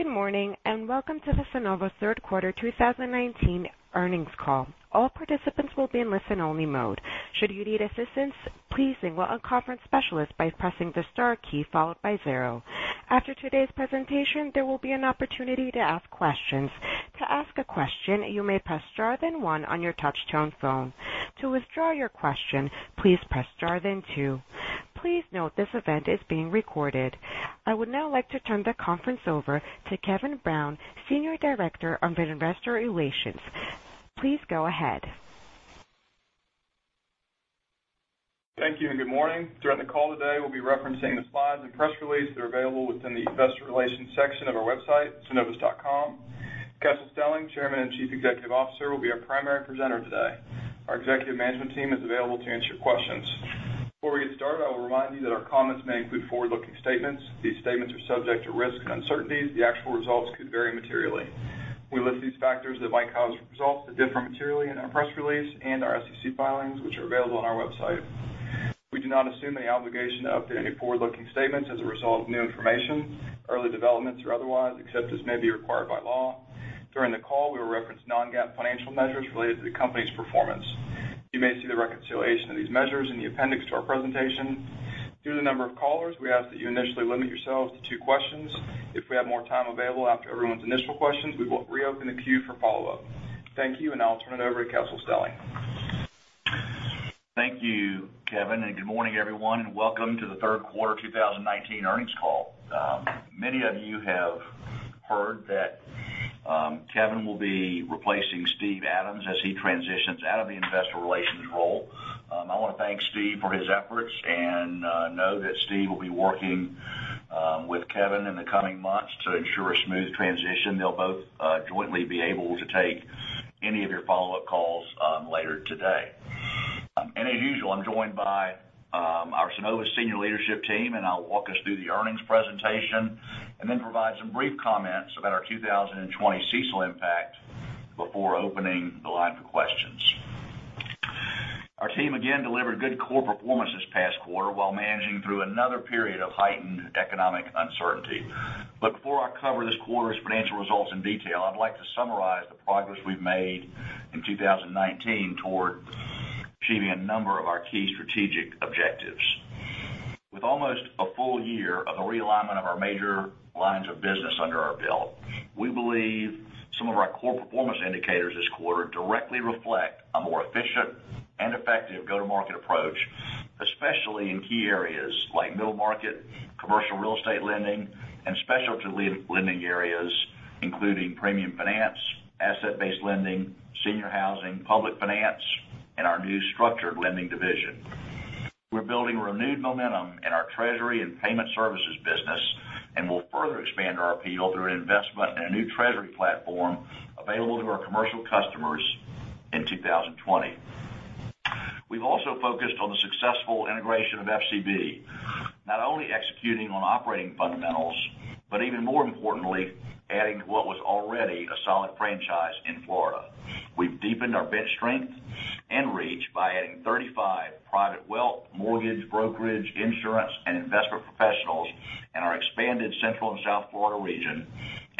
Good morning, and welcome to the Synovus third quarter 2019 earnings call. All participants will be in listen-only mode. Should you need assistance, please signal a conference specialist by pressing the star key followed by zero. After today's presentation, there will be an opportunity to ask questions. To ask a question, you may press star then one on your touchtone phone. To withdraw your question, please press star then two. Please note this event is being recorded. I would now like to turn the conference over to Kevin Brown, Senior Director of Investor Relations. Please go ahead. Thank you and good morning. Throughout the call today, we'll be referencing the slides and press release that are available within the investor relations section of our website, synovus.com. Kessel Stelling, Chairman and Chief Executive Officer, will be our primary presenter today. Our executive management team is available to answer your questions. Before we get started, I will remind you that our comments may include forward-looking statements. These statements are subject to risks and uncertainties. The actual results could vary materially. We list these factors that might cause results to differ materially in our press release and our SEC filings, which are available on our website. We do not assume any obligation to update any forward-looking statements as a result of new information, early developments, or otherwise, except as may be required by law. During the call, we will reference non-GAAP financial measures related to the company's performance. You may see the reconciliation of these measures in the appendix to our presentation. Due to the number of callers, we ask that you initially limit yourselves to two questions. If we have more time available after everyone's initial questions, we will reopen the queue for follow-up. Thank you, and I'll turn it over to Kessel Stelling. Thank you, Kevin. Good morning, everyone, and welcome to the third quarter 2019 earnings call. Many of you have heard that Kevin will be replacing Steve Adams as he transitions out of the investor relations role. I want to thank Steve for his efforts and know that Steve will be working with Kevin in the coming months to ensure a smooth transition. They'll both jointly be able to take any of your follow-up calls later today. As usual, I'm joined by our Synovus senior leadership team, and I'll walk us through the earnings presentation and then provide some brief comments about our 2020 CECL impact before opening the line for questions. Our team again delivered good core performance this past quarter while managing through another period of heightened economic uncertainty. Before I cover this quarter's financial results in detail, I'd like to summarize the progress we've made in 2019 toward achieving a number of our key strategic objectives. With almost a full year of the realignment of our major lines of business under our belt, we believe some of our core performance indicators this quarter directly reflect a more efficient and effective go-to-market approach, especially in key areas like middle market, commercial real estate lending, and specialty lending areas, including premium finance, asset-based lending, senior housing, public finance, and our new structured lending division. We're building renewed momentum in our treasury and payment services business and will further expand our appeal through an investment in a new treasury platform available to our commercial customers in 2020. We've also focused on the successful integration of FCB, not only executing on operating fundamentals, but even more importantly, adding to what was already a solid franchise in Florida. We've deepened our bench strength and reach by adding 35 private wealth, mortgage brokerage, insurance, and investment professionals in our expanded Central and South Florida region.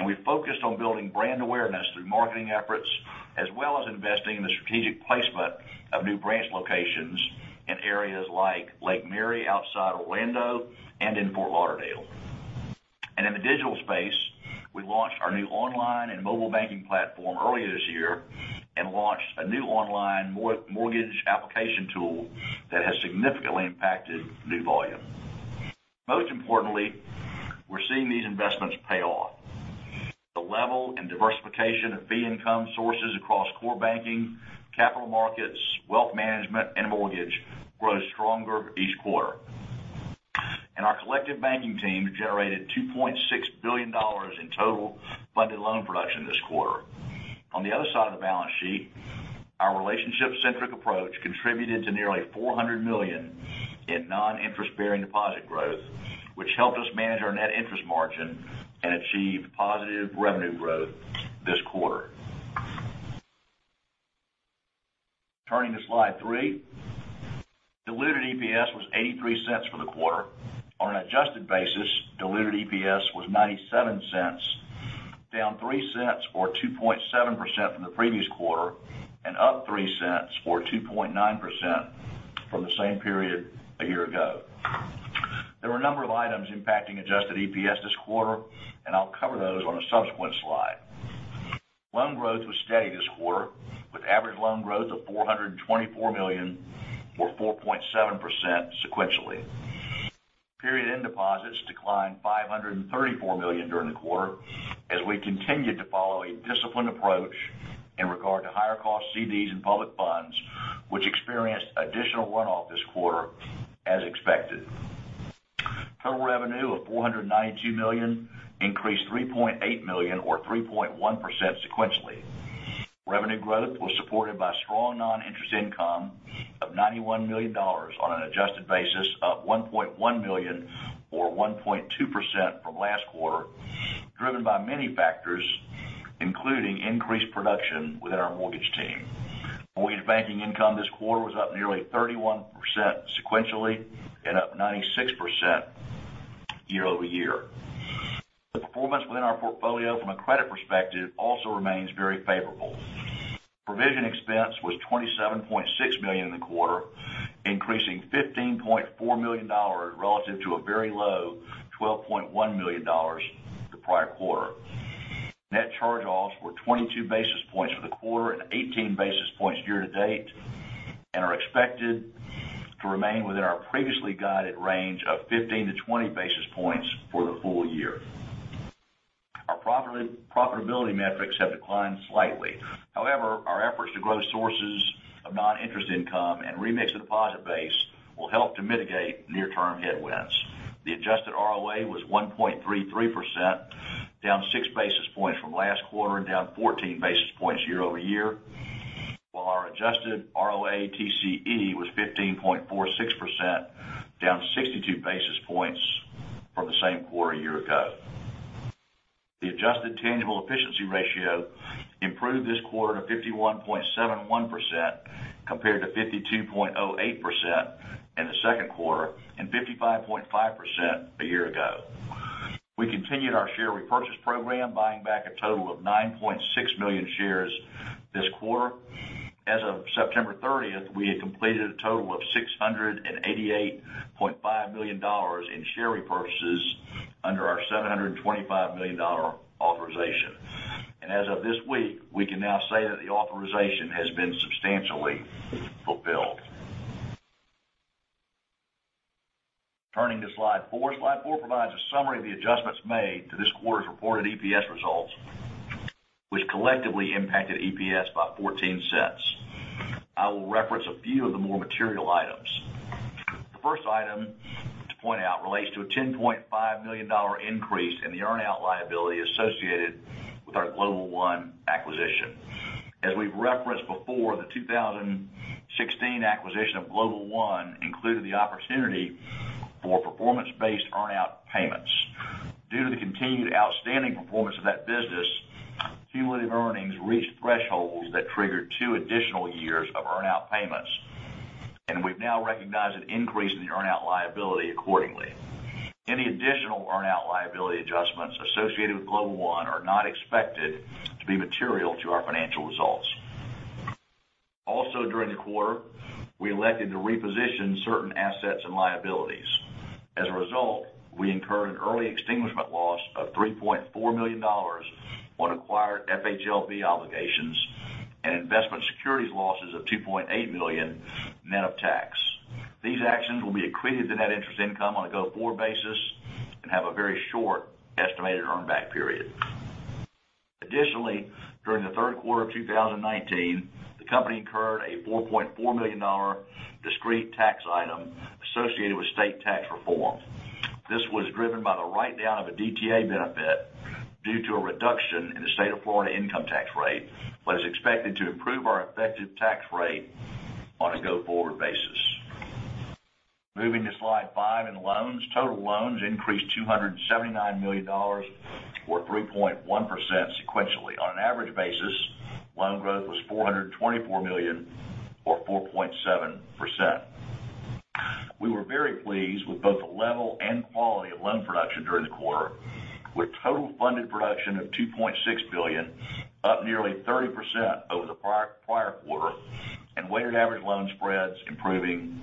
We focused on building brand awareness through marketing efforts, as well as investing in the strategic placement of new branch locations in areas like Lake Mary, outside Orlando, and in Fort Lauderdale. In the digital space, we launched our new online and mobile banking platform earlier this year and launched a new online mortgage application tool that has significantly impacted new volume. Most importantly, we're seeing these investments pay off. The level and diversification of fee income sources across core banking, capital markets, wealth management, and mortgage grows stronger each quarter. Our collective banking team generated $2.6 billion in total funded loan production this quarter. On the other side of the balance sheet, our relationship-centric approach contributed to nearly $400 million in non-interest-bearing deposit growth, which helped us manage our net interest margin and achieve positive revenue growth this quarter. Turning to slide three, diluted EPS was $0.83 for the quarter. On an adjusted basis, diluted EPS was $0.97, down $0.03 or 2.7% from the previous quarter and up $0.03 or 2.9% from the same period a year ago. There were a number of items impacting adjusted EPS this quarter, I'll cover those on a subsequent slide. Loan growth was steady this quarter with average loan growth of $424 million or 4.7% sequentially. Period-end deposits declined $534 million during the quarter as we continued to follow a disciplined approach in regard to higher cost CDs and public funds, which experienced additional runoff this quarter as expected. Total revenue of $492 million increased $3.8 million or 3.1% sequentially. Revenue growth was supported by strong non-interest income of $91 million on an adjusted basis, up $1.1 million or 1.2% from last quarter, driven by many factors, including increased production within our mortgage team. Mortgage banking income this quarter was up nearly 31% sequentially and up 96% year-over-year. The performance within our portfolio from a credit perspective also remains very favorable. Provision expense was $27.6 million in the quarter, increasing $15.4 million relative to a very low $12.1 million the prior quarter. Net charge-offs were 22 basis points for the quarter, and 18 basis points year-to-date, and are expected to remain within our previously guided range of 15-20 basis points for the full year. Our profitability metrics have declined slightly. However, our efforts to grow sources of non-interest income and remix the deposit base will help to mitigate near-term headwinds. The adjusted ROA was 1.33%, down six basis points from last quarter and down 14 basis points year-over-year. While our adjusted ROATCE was 15.46%, down 62 basis points from the same quarter a year ago. The adjusted tangible efficiency ratio improved this quarter to 51.71% compared to 52.08% in the second quarter and 55.5% a year ago. We continued our share repurchase program, buying back a total of 9.6 million shares this quarter. As of September 30th, we had completed a total of $688.5 million in share repurchases under our $725 million authorization. As of this week, we can now say that the authorization has been substantially fulfilled. Turning to slide four. Slide four provides a summary of the adjustments made to this quarter's reported EPS results, which collectively impacted EPS by $0.14. I will reference a few of the more material items. The first item to point out relates to a $10.5 million increase in the earn-out liability associated with our Global One acquisition. As we've referenced before, the 2016 acquisition of Global One included the opportunity for performance-based earn-out payments. Due to the continued outstanding performance of that business, cumulative earnings reached thresholds that triggered two additional years of earn-out payments. We've now recognized an increase in the earn-out liability accordingly. During the quarter, we elected to reposition certain assets and liabilities. As a result, we incurred an early extinguishment loss of $3.4 million on acquired FHLB obligations and investment securities losses of $2.8 million net of tax. These actions will be accretive to net interest income on a go-forward basis and have a very short estimated earn back period. During the third quarter of 2019, the company incurred a $4.4 million discrete tax item associated with state tax reform. This was driven by the write-down of a DTA benefit due to a reduction in the state of Florida income tax rate, but is expected to improve our effective tax rate on a go-forward basis. Moving to slide five in loans. Total loans increased $279 million or 3.1% sequentially. On an average basis, loan growth was $424 million or 4.7%. We were very pleased with both the level and quality of loan production during the quarter, with total funded production of $2.6 billion, up nearly 30% over the prior quarter, and weighted average loan spreads improving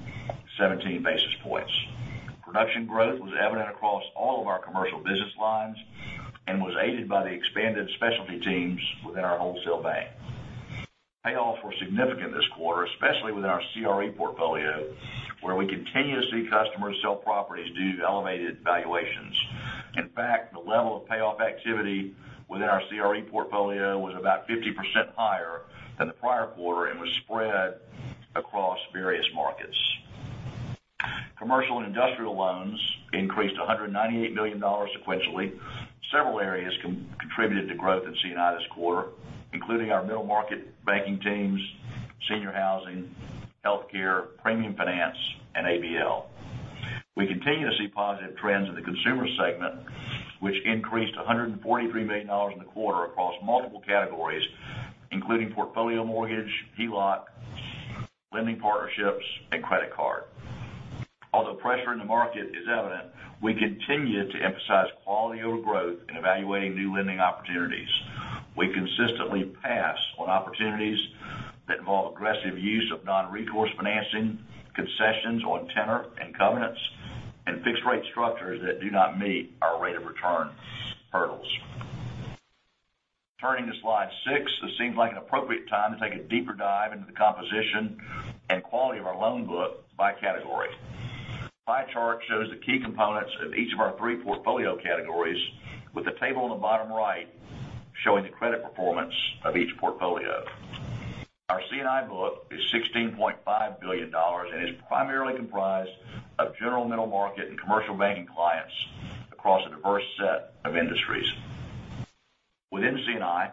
17 basis points. Production growth was evident across all of our commercial business lines and was aided by the expanded specialty teams within our wholesale bank. Payoffs were significant this quarter, especially within our CRE portfolio, where we continue to see customers sell properties due to elevated valuations. In fact, the level of payoff activity within our CRE portfolio was about 50% higher than the prior quarter and was spread across various markets. Commercial and industrial loans increased $198 million sequentially. Several areas contributed to growth in C&I this quarter, including our middle market banking teams, senior housing, healthcare, premium finance, and ABL. We continue to see positive trends in the consumer segment, which increased $143 million in the quarter across multiple categories, including portfolio mortgage, HELOC, lending partnerships, and credit card. Although pressure in the market is evident, we continue to emphasize quality over growth in evaluating new lending opportunities. We consistently pass on opportunities that involve aggressive use of non-recourse financing, concessions on tenor and covenants, and fixed rate structures that do not meet our rate of return hurdles. Turning to slide six, this seems like an appropriate time to take a deeper dive into the composition and quality of our loan book by category. Pie chart shows the key components of each of our three portfolio categories, with the table on the bottom right showing the credit performance of each portfolio. Our C&I book is $16.5 billion and is primarily comprised of general middle market and commercial banking clients across a diverse set of industries. Within C&I,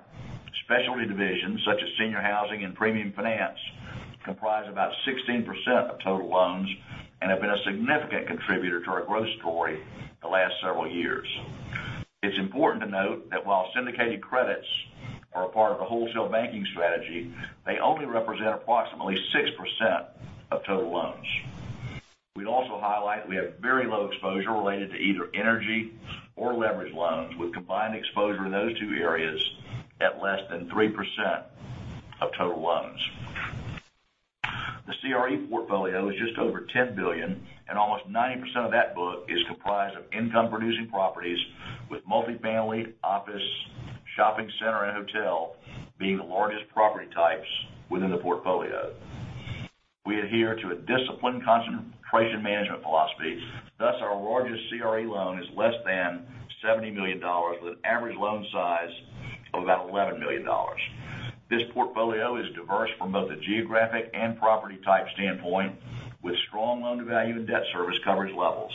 specialty divisions such as senior housing and premium finance comprise about 16% of total loans, and have been a significant contributor to our growth story the last several years. It's important to note that while syndicated credits are a part of the wholesale banking strategy, they only represent approximately 6% of total loans. We'd also highlight, we have very low exposure related to either energy or leverage loans, with combined exposure in those two areas at less than 3% of total loans. The CRE portfolio is just over $10 billion, and almost 90% of that book is comprised of income-producing properties with multifamily, office, shopping center, and hotel being the largest property types within the portfolio. We adhere to a disciplined concentration management philosophy, thus our largest CRE loan is less than $70 million, with an average loan size of about $11 million. This portfolio is diverse from both a geographic and property type standpoint, with strong loan-to-value and debt service coverage levels.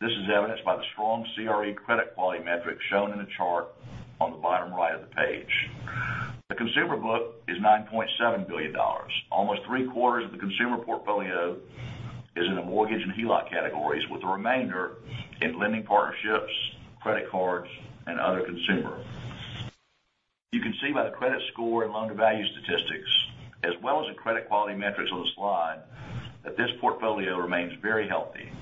This is evidenced by the strong CRE credit quality metrics shown in the chart on the bottom right of the page. The consumer book is $9.7 billion. Almost three-quarters of the consumer portfolio is in the mortgage and HELOC categories, with the remainder in lending partnerships, credit cards, and other consumer. You can see by the credit score and loan-to-value statistics, as well as the credit quality metrics on the slide, that this portfolio remains very healthy.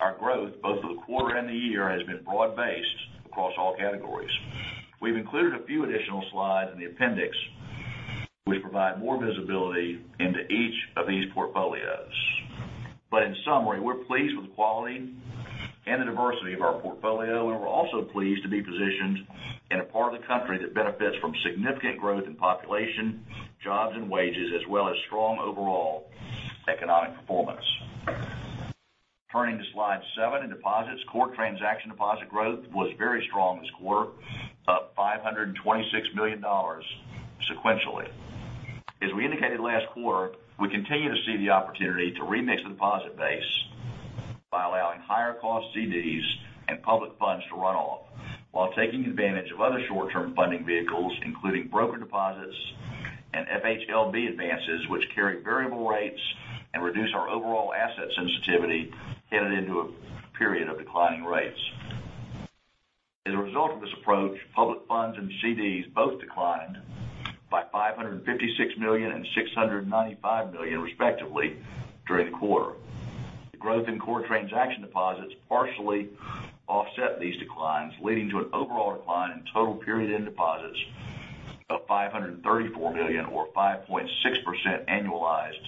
Our growth, both for the quarter and the year, has been broad-based across all categories. We've included a few additional slides in the appendix, which provide more visibility into each of these portfolios. In summary, we're pleased with the quality and the diversity of our portfolio, and we're also pleased to be positioned in a part of the country that benefits from significant growth in population, jobs and wages, as well as strong overall economic performance. Turning to slide seven in deposits. Core transaction deposit growth was very strong this quarter, up $526 million sequentially. As we indicated last quarter, we continue to see the opportunity to remix the deposit base by allowing higher cost CDs and public funds to run off, while taking advantage of other short-term funding vehicles, including broker deposits and FHLB advances, which carry variable rates and reduce our overall asset sensitivity headed into a period of declining rates. As a result of this approach, public funds and CDs both declined by $556 million and $695 million, respectively, during the quarter. The growth in core transaction deposits partially offset these declines, leading to an overall decline in total period-end deposits of $534 million or 5.6% annualized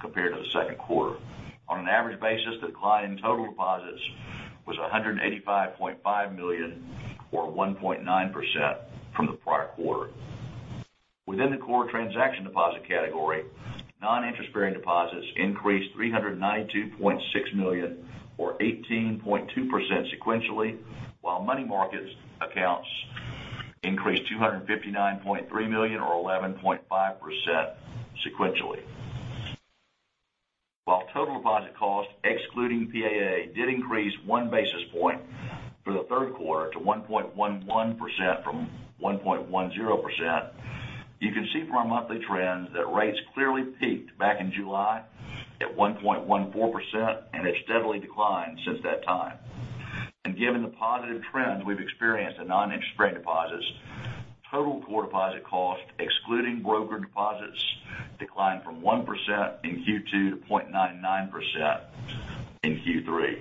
compared to the second quarter. On an average basis, the decline in total deposits was $185.5 million or 1.9% from the prior quarter. Within the core transaction deposit category, non-interest bearing deposits increased $392.6 million or 18.2% sequentially, while money markets accounts increased $259.3 million or 11.5% sequentially. While total deposit cost, excluding PAA, did increase one basis point for the third quarter to 1.11% from 1.10%, you can see from our monthly trends that rates clearly peaked back in July at 1.14%, and it's steadily declined since that time. Given the positive trends we've experienced in non-interest bearing deposits, total core deposit cost, excluding broker deposits, declined from 1% in Q2 to 0.99% in Q3.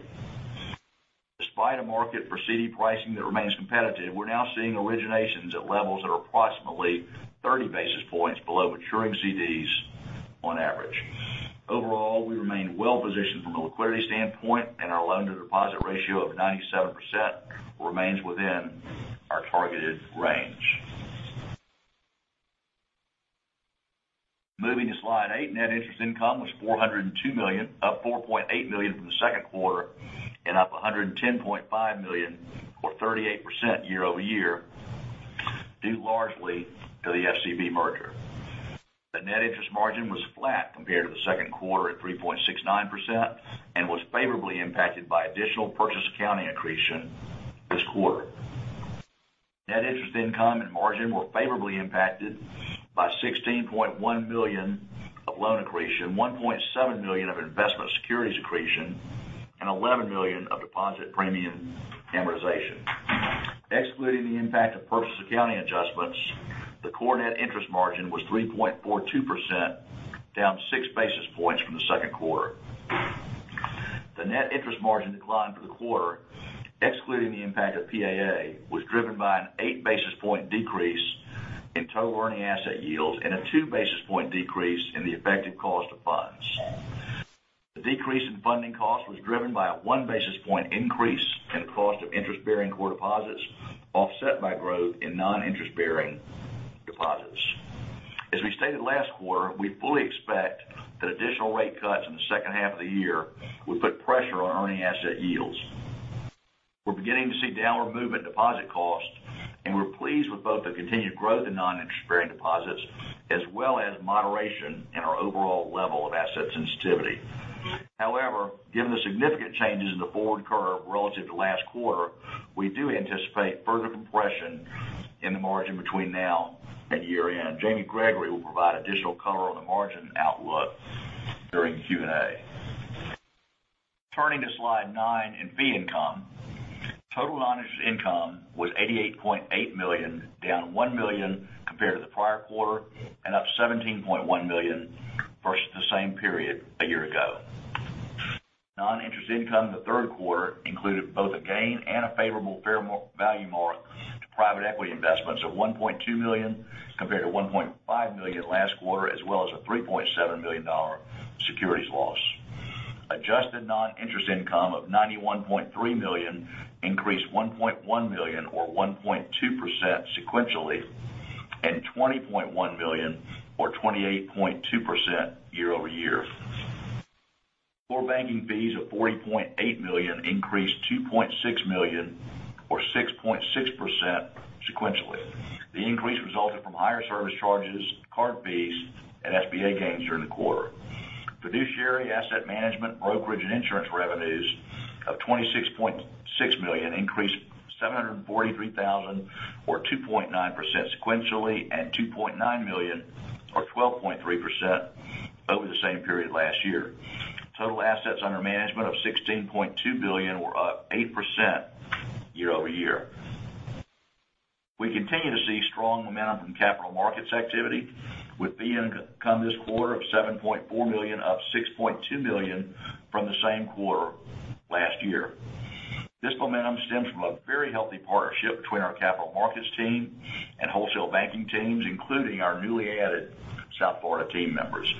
Despite a market for CD pricing that remains competitive, we're now seeing originations at levels that are approximately 30 basis points below maturing CDs on average. Overall, we remain well-positioned from a liquidity standpoint, and our loan-to-deposit ratio of 97% remains within our targeted range. Moving to slide eight. Net interest income was $402 million, up $4.8 million from the second quarter and up $110.5 million or 38% year-over-year, due largely to the FCB merger. The net interest margin was flat compared to the second quarter at 3.69% and was favorably impacted by additional purchase accounting accretion this quarter. Net interest income and margin were favorably impacted by $16.1 million of loan accretion, $1.7 million of investment securities accretion, and $11 million of deposit premium amortization. Excluding the impact of purchase accounting adjustments, the core net interest margin was 3.42%, down six basis points from the second quarter. The net interest margin decline for the quarter, excluding the impact of PAA, was driven by an eight basis point decrease in total earning asset yields and a two basis point decrease in the effective cost of funds. The decrease in funding cost was driven by a one basis point increase in cost of interest-bearing core deposits, offset by growth in non-interest-bearing deposits. As we stated last quarter, we fully expect that additional rate cuts in the second half of the year will put pressure on earning asset yields. We're beginning to see downward movement in deposit cost, and we're pleased with both the continued growth in non-interest-bearing deposits, as well as moderation in our overall level of asset sensitivity. Given the significant changes in the forward curve relative to last quarter, we do anticipate further compression in the margin between now and year-end. Jamie Gregory will provide additional color on the margin outlook during the Q&A. Turning to slide nine in fee income. Total non-interest income was $88.8 million, down $1 million compared to the prior quarter, and up $17.1 million versus the same period a year ago. Non-interest income in the third quarter included both a gain and a favorable fair value mark to private equity investments of $1.2 million, compared to $1.5 million last quarter, as well as a $3.7 million securities loss. Adjusted non-interest income of $91.3 million increased $1.1 million or 1.2% sequentially, and $20.1 million or 28.2% year-over-year. Core banking fees of $40.8 million increased $2.6 million or 6.6% sequentially. The increase resulted from higher service charges, card fees, and SBA gains during the quarter. Fiduciary asset management, brokerage, and insurance revenues of $26.6 million increased $743,000, or 2.9% sequentially, and $2.9 million or 12.3% over the same period last year. Total assets under management of $16.2 billion were up 8% year-over-year. We continue to see strong momentum from capital markets activity with fee income this quarter of $7.4 million, up $6.2 million from the same quarter last year. This momentum stems from a very healthy partnership between our capital markets team and wholesale banking teams, including our newly added South Florida team members.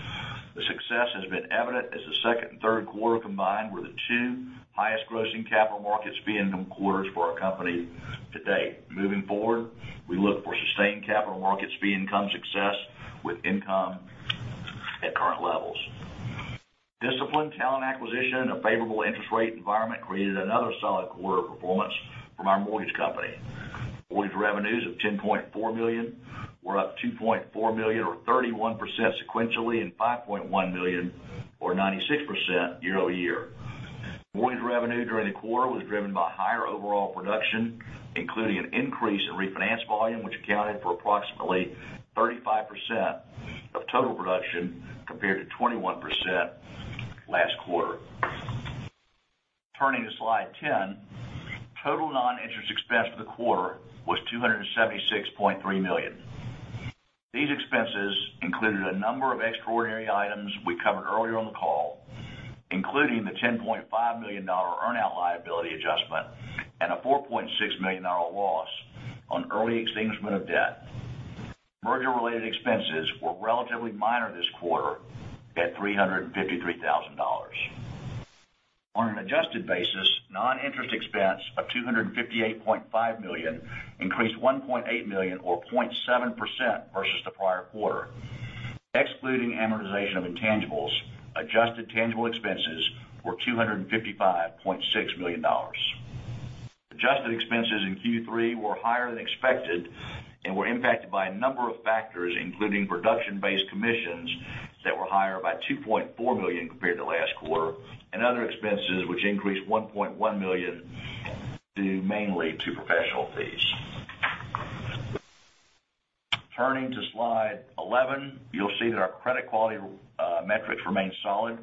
The success has been evident as the second and third quarter combined were the two highest grossing capital markets fee income quarters for our company to date. Moving forward, we look for sustained capital markets fee income success with income at current levels. Disciplined talent acquisition and a favorable interest rate environment created another solid quarter of performance from our mortgage company. Mortgage revenues of $10.4 million were up $2.4 million or 31% sequentially and $5.1 million or 96% year-over-year. Mortgage revenue during the quarter was driven by higher overall production, including an increase in refinance volume, which accounted for approximately 35% of total production, compared to 21% last quarter. Turning to slide 10. Total non-interest expense for the quarter was $276.3 million. These expenses included a number of extraordinary items we covered earlier on the call, including the $10.5 million earnout liability adjustment and a $4.6 million loss on early extinguishment of debt. Merger-related expenses were relatively minor this quarter at $353,000. On an adjusted basis, non-interest expense of $258.5 million increased $1.8 million or 0.7% versus the prior quarter. Excluding amortization of intangibles, adjusted tangible expenses were $255.6 million. Adjusted expenses in Q3 were higher than expected and were impacted by a number of factors, including production-based commissions that were higher by $2.4 million compared to last quarter, and other expenses which increased $1.1 million due mainly to professional fees. Turning to slide 11, you'll see that our credit quality metrics remain solid.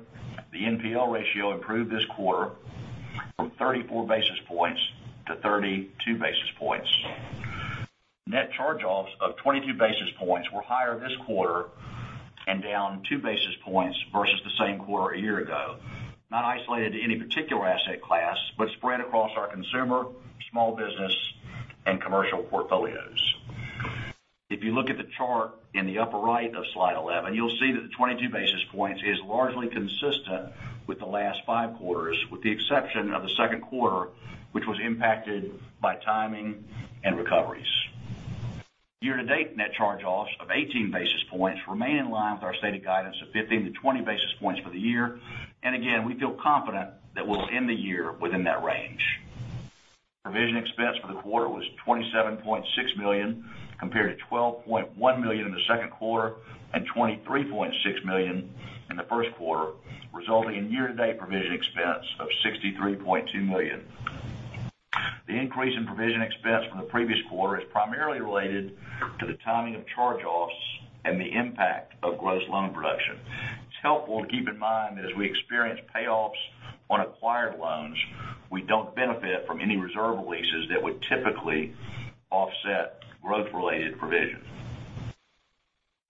The NPL ratio improved this quarter from 34 basis points to 32 basis points. Net charge-offs of 22 basis points were higher this quarter and down two basis points versus the same quarter a year ago, not isolated to any particular asset class, but spread across our consumer, small business, and commercial portfolios. If you look at the chart in the upper right of slide 11, you'll see that the 22 basis points is largely consistent with the last five quarters, with the exception of the second quarter, which was impacted by timing and recoveries. Year-to-date net charge-offs of 18 basis points remain in line with our stated guidance of 15 to 20 basis points for the year, and again, we feel confident that we'll end the year within that range. Provision expense for the quarter was $27.6 million, compared to $12.1 million in the second quarter and $23.6 million in the first quarter, resulting in year-to-date provision expense of $63.2 million. The increase in provision expense from the previous quarter is primarily related to the timing of charge-offs and the impact of gross loan production. It's helpful to keep in mind that as we experience payoffs on acquired loans, we don't benefit from any reserve releases that would typically offset growth-related provisions.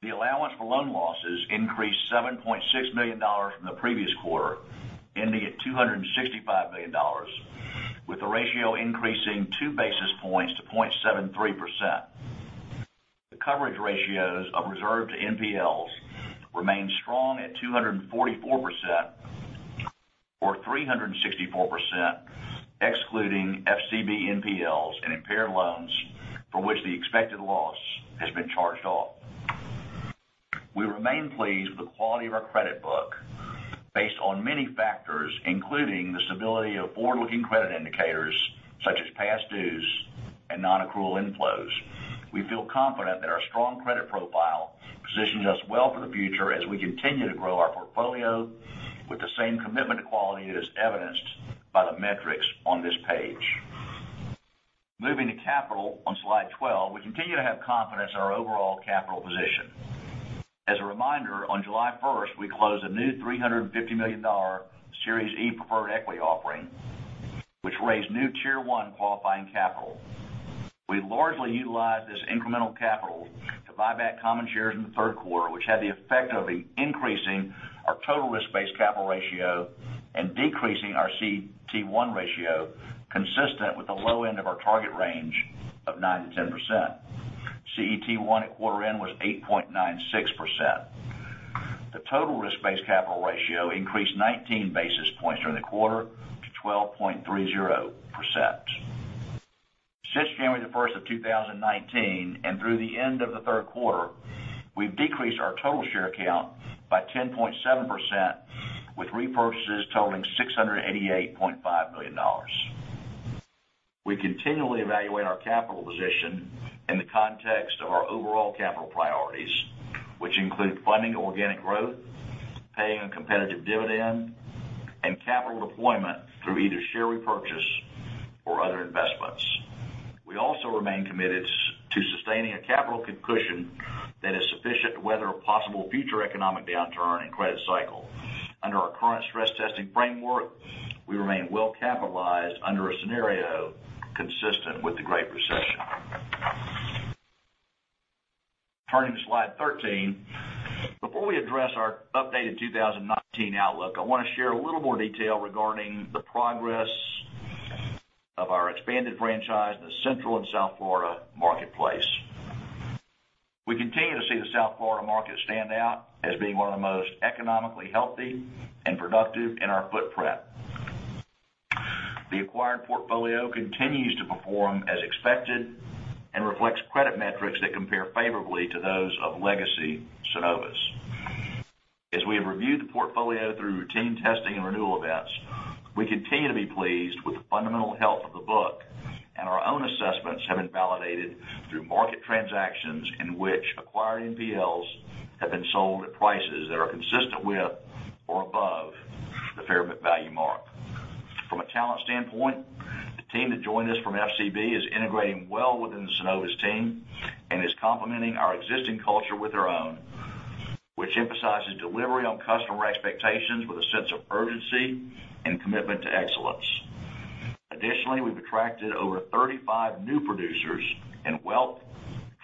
The allowance for loan losses increased $7.6 million from the previous quarter, ending at $265 million, with the ratio increasing two basis points to 0.73%. The coverage ratios of reserve to NPLs remain strong at 244%, or 364%, excluding FCB NPLs and impaired loans for which the expected loss has been charged off. We remain pleased with the quality of our credit book based on many factors, including the stability of forward-looking credit indicators such as past dues and non-accrual inflows. We feel confident that our strong credit profile positions us well for the future as we continue to grow our portfolio with the same commitment to quality as evidenced by the metrics on this page. Moving to capital on slide 12, we continue to have confidence in our overall capital position. As a reminder, on July 1st, we closed a new $350 million Series E preferred equity offering, which raised new Tier 1 qualifying capital. We largely utilized this incremental capital to buy back common shares in the third quarter, which had the effect of increasing our total risk-based capital ratio and decreasing our CET1 ratio consistent with the low end of our target range of 9%-10%. CET1 at quarter end was 8.96%. The total risk-based capital ratio increased 19 basis points during the quarter to 12.30%. Since January the 1st of 2019 and through the end of the third quarter, we've decreased our total share count by 10.7%, with repurchases totaling $688.5 million. We continually evaluate our capital position in the context of our overall capital priorities, which include funding organic growth, paying a competitive dividend, and capital deployment through either share repurchase or other investments. We also remain committed to sustaining a capital cushion that is sufficient to weather a possible future economic downturn and credit cycle. Under our current stress testing framework, we remain well-capitalized under a scenario consistent with the Great Recession. Turning to slide 13, before we address our updated 2019 outlook, I want to share a little more detail regarding the progress of our expanded franchise in the Central and South Florida marketplace. We continue to see the South Florida market stand out as being one of the most economically healthy and productive in our footprint. The acquired portfolio continues to perform as expected and reflects credit metrics that compare favorably to those of legacy Synovus. As we have reviewed the portfolio through routine testing and renewal events, we continue to be pleased with the fundamental health of the book, and our own assessments have been validated through market transactions in which acquired NPLs have been sold at prices that are consistent with or above the fair market value mark. From a talent standpoint, the team that joined us from FCB is integrating well within the Synovus team and is complementing our existing culture with their own, which emphasizes delivery on customer expectations with a sense of urgency and commitment to excellence. Additionally, we've attracted over 35 new producers in wealth,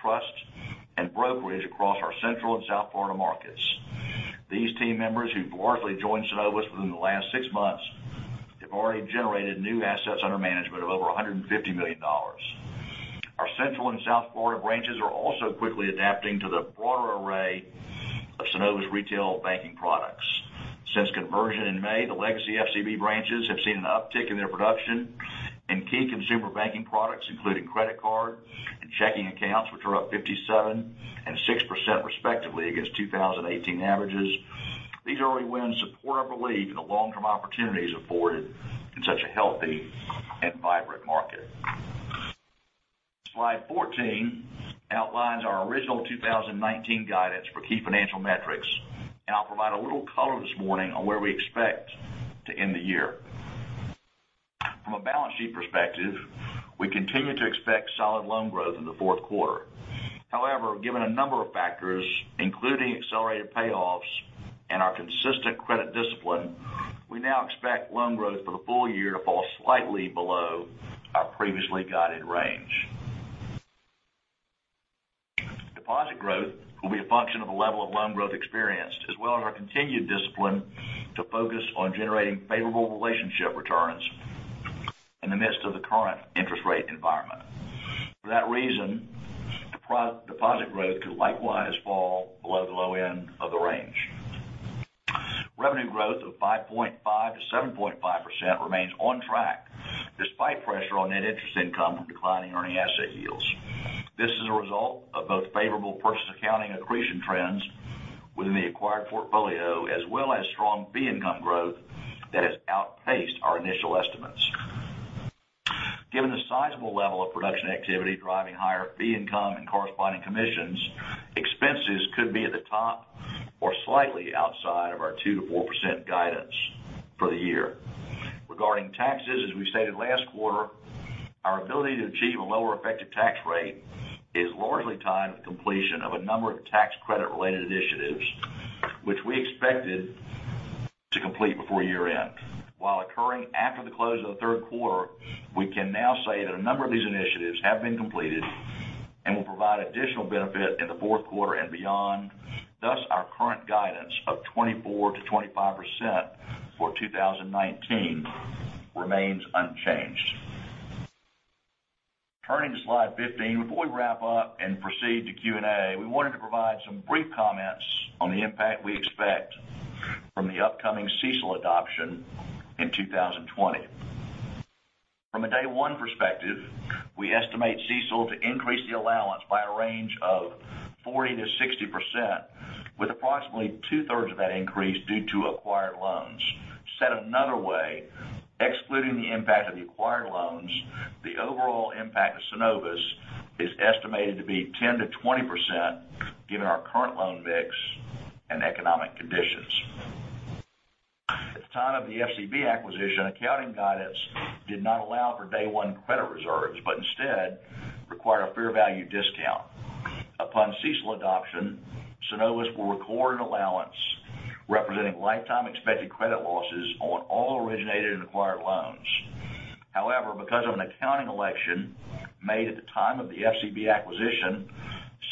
trust, and brokerage across our Central and South Florida markets. These team members who've largely joined Synovus within the last six months have already generated new assets under management of over $150 million. Our Central and South Florida branches are also quickly adapting to the broader array of Synovus retail banking products. Since conversion in May, the legacy FCB branches have seen an uptick in their production in key consumer banking products, including credit card and checking accounts, which are up 57% and 6% respectively against 2018 averages. These early wins support our belief in the long-term opportunities afforded in such a healthy and vibrant market. Slide 14 outlines our original 2019 guidance for key financial metrics, and I'll provide a little color this morning on where we expect to end the year. From a balance sheet perspective, we continue to expect solid loan growth in the fourth quarter. However, given a number of factors, including accelerated payoffs and our consistent credit discipline, we now expect loan growth for the full year to fall slightly below our previously guided range. Deposit growth will be a function of the level of loan growth experienced, as well as our continued discipline to focus on generating favorable relationship returns in the midst of the current interest rate environment. For that reason, deposit growth could likewise fall below the low end of the range. Revenue growth of 5.5%-7.5% remains on track, despite pressure on net interest income from declining earning asset yields. This is a result of both favorable purchase accounting accretion trends within the acquired portfolio, as well as strong fee income growth that has outpaced our initial estimates. Given the sizable level of production activity driving higher fee income and corresponding commissions, expenses could be at the top or slightly outside of our 2%-4% guidance for the year. Regarding taxes, as we stated last quarter, our ability to achieve a lower effective tax rate is largely tied to the completion of a number of tax credit-related initiatives, which we expected to complete before year-end. While occurring after the close of the third quarter, we can now say that a number of these initiatives have been completed and will provide additional benefit in the fourth quarter and beyond. Our current guidance of 24%-25% for 2019 remains unchanged. Turning to slide 15, before we wrap up and proceed to Q&A, we wanted to provide some brief comments on the impact we expect from the upcoming CECL adoption in 2020. From a day one perspective, we estimate CECL to increase the allowance by a range of 40%-60%, with approximately two thirds of that increase due to acquired loans. Said another way, excluding the impact of the acquired loans, the overall impact of Synovus is estimated to be 10%-20% given our current loan mix and economic conditions. At the time of the FCB acquisition, accounting guidance did not allow for day one credit reserves, but instead required a fair value discount. Upon CECL adoption, Synovus will record an allowance representing lifetime expected credit losses on all originated and acquired loans. However, because of an accounting election made at the time of the FCB acquisition,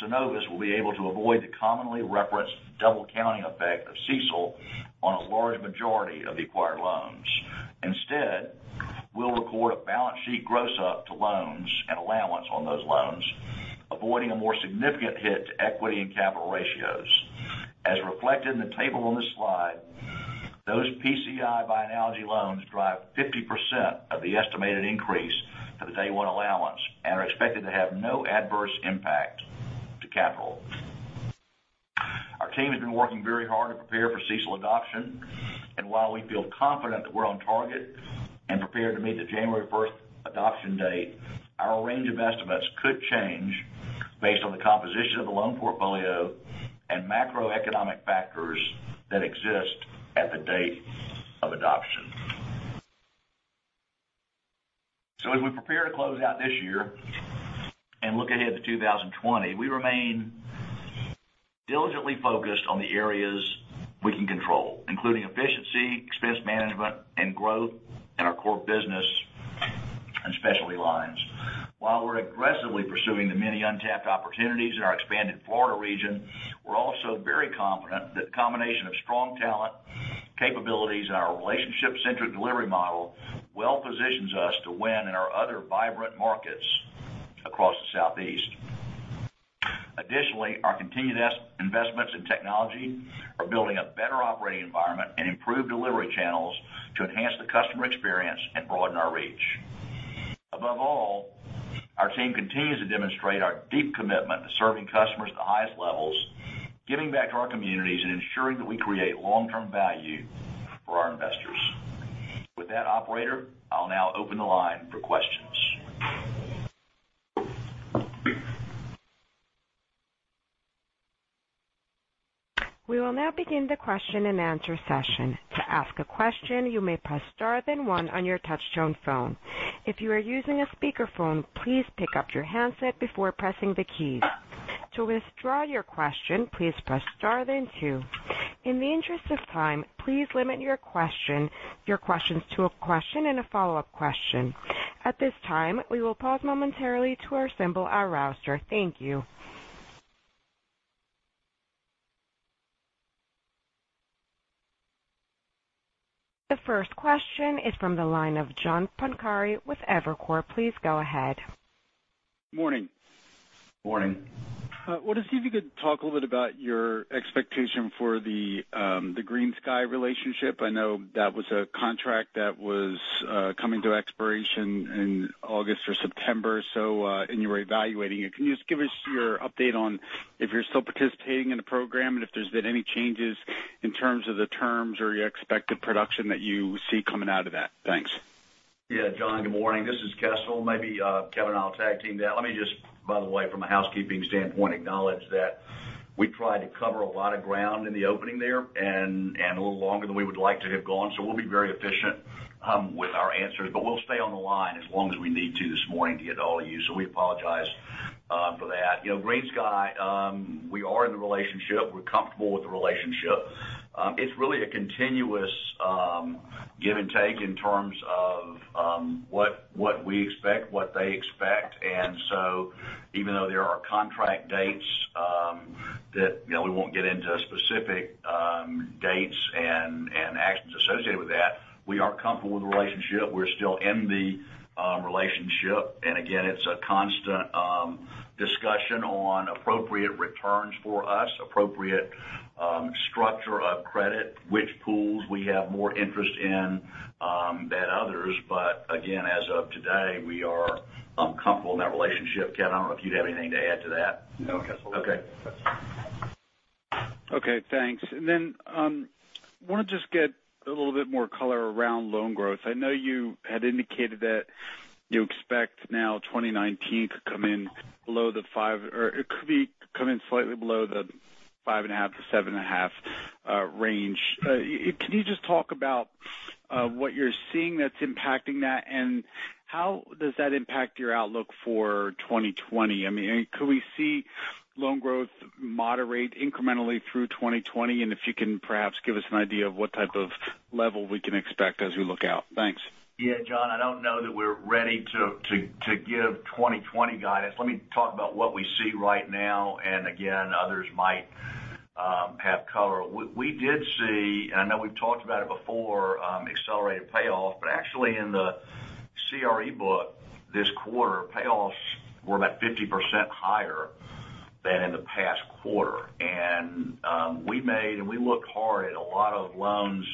Synovus will be able to avoid the commonly referenced double counting effect of CECL on a large majority of the acquired loans. Instead, we'll record a balance sheet gross up to loans and allowance on those loans, avoiding a more significant hit to equity and capital ratios. As reflected in the table on this slide, those PCI by analogy loans drive 50% of the estimated increase for the day one allowance and are expected to have no adverse impact to capital. While we feel confident that we're on target and prepared to meet the January 1st adoption date, our range of estimates could change based on the composition of the loan portfolio and macroeconomic factors that exist at the date of adoption. As we prepare to close out this year and look ahead to 2020, we remain diligently focused on the areas we can control, including efficiency, expense management, and growth in our core business and specialty lines. While we're aggressively pursuing the many untapped opportunities in our expanded Florida region, we're also very confident that the combination of strong talent, capabilities, and our relationship-centric delivery model well positions us to win in our other vibrant markets across the Southeast. Additionally, our continued investments in technology are building a better operating environment and improved delivery channels to enhance the customer experience and broaden our reach. Above all, our team continues to demonstrate our deep commitment to serving customers at the highest levels, giving back to our communities, and ensuring that we create long-term value for our investors. With that, operator, I'll now open the line for questions. We will now begin the question and answer session. To ask a question, you may press star, then one on your touch-tone phone. If you are using a speakerphone, please pick up your handset before pressing the keys. To withdraw your question, please press star, then two. In the interest of time, please limit your questions to a question and a follow-up question. At this time, we will pause momentarily to assemble our roster. Thank you. The first question is from the line of John Pancari with Evercore. Please go ahead. Morning. Morning. I wanted to see if you could talk a little bit about your expectation for the GreenSky relationship. I know that was a contract that was coming to expiration in August or September so, and you were evaluating it. Can you just give us your update on if you're still participating in the program, and if there's been any changes in terms of the terms or your expected production that you see coming out of that? Thanks. Yeah. John, good morning. This is Kessel. Maybe Kevin and I will tag team that. Let me just, by the way, from a housekeeping standpoint, acknowledge that we tried to cover a lot of ground in the opening there and a little longer than we would like to have gone. We'll be very efficient with our answers, but we'll stay on the line as long as we need to this morning to get to all of you. We apologize for that. GreenSky, we are in the relationship. We're comfortable with the relationship. It's really a continuous give and take in terms of what we expect, what they expect. Even though there are contract dates that we won't get into specific dates and actions associated with that, we are comfortable with the relationship. We're still in the relationship, again, it's a constant discussion on appropriate returns for us, appropriate structure of credit, which pools we have more interest in than others. Again, as of today, we are comfortable in that relationship. Kevin, I don't know if you'd have anything to add to that. No, Kessel. Okay. Okay, thanks. I want to just get a little bit more color around loan growth. I know you had indicated that you expect now 2019 to come in below 5%, or it could come in slightly below the 5.5%-7.5% range. Can you just talk about what you're seeing that's impacting that, and how does that impact your outlook for 2020? Could we see loan growth moderate incrementally through 2020? If you can perhaps give us an idea of what type of level we can expect as we look out. Thanks. Yeah, John, I don't know that we're ready to give 2020 guidance. Let me talk about what we see right now, again, others might have color. We did see, I know we've talked about it before, accelerated payoffs. Actually, in the CRE book this quarter, payoffs were about 50% higher than in the past quarter. We made, we looked hard at a lot of loans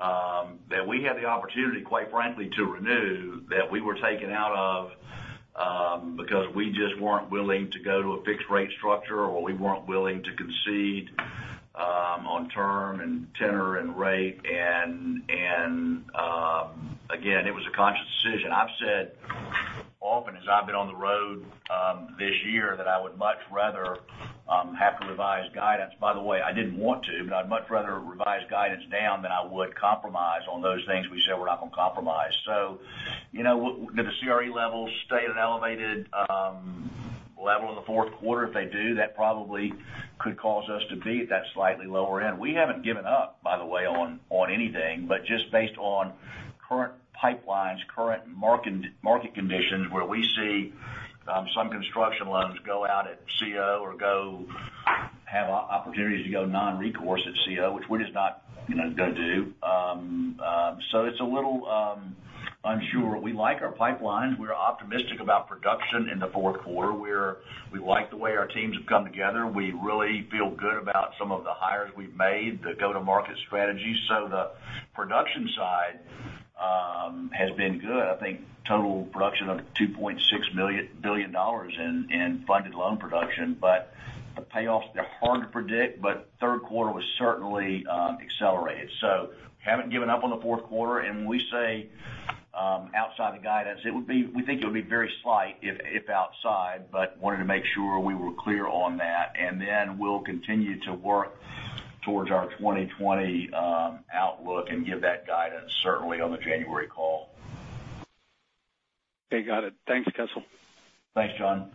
that we had the opportunity, quite frankly, to renew, that we were taken out of because we just weren't willing to go to a fixed rate structure, we weren't willing to concede on term and tenor and rate. Again, it was a conscious decision. I've said often as I've been on the road this year that I would much rather have to revise guidance. I didn't want to, but I'd much rather revise guidance down than I would compromise on those things we said we're not going to compromise. Do the CRE levels stay at an elevated level in the fourth quarter? If they do, that probably could cause us to be at that slightly lower end. We haven't given up, by the way, on anything, but just based on current pipelines, current market conditions, where we see some construction loans go out at CO or have opportunities to go non-recourse at CO, which we're just not going to do. It's a little unsure. We like our pipelines. We're optimistic about production in the fourth quarter. We like the way our teams have come together. We really feel good about some of the hires we've made, the go-to-market strategies. The production side has been good. I think total production of $2.6 billion in funded loan production. The payoffs, they're hard to predict, but third quarter was certainly accelerated. Haven't given up on the fourth quarter, and when we say outside the guidance, we think it would be very slight if outside, but wanted to make sure we were clear on that. We'll continue to work towards our 2020 outlook and give that guidance certainly on the January call. Okay, got it. Thanks, Kessel. Thanks, John.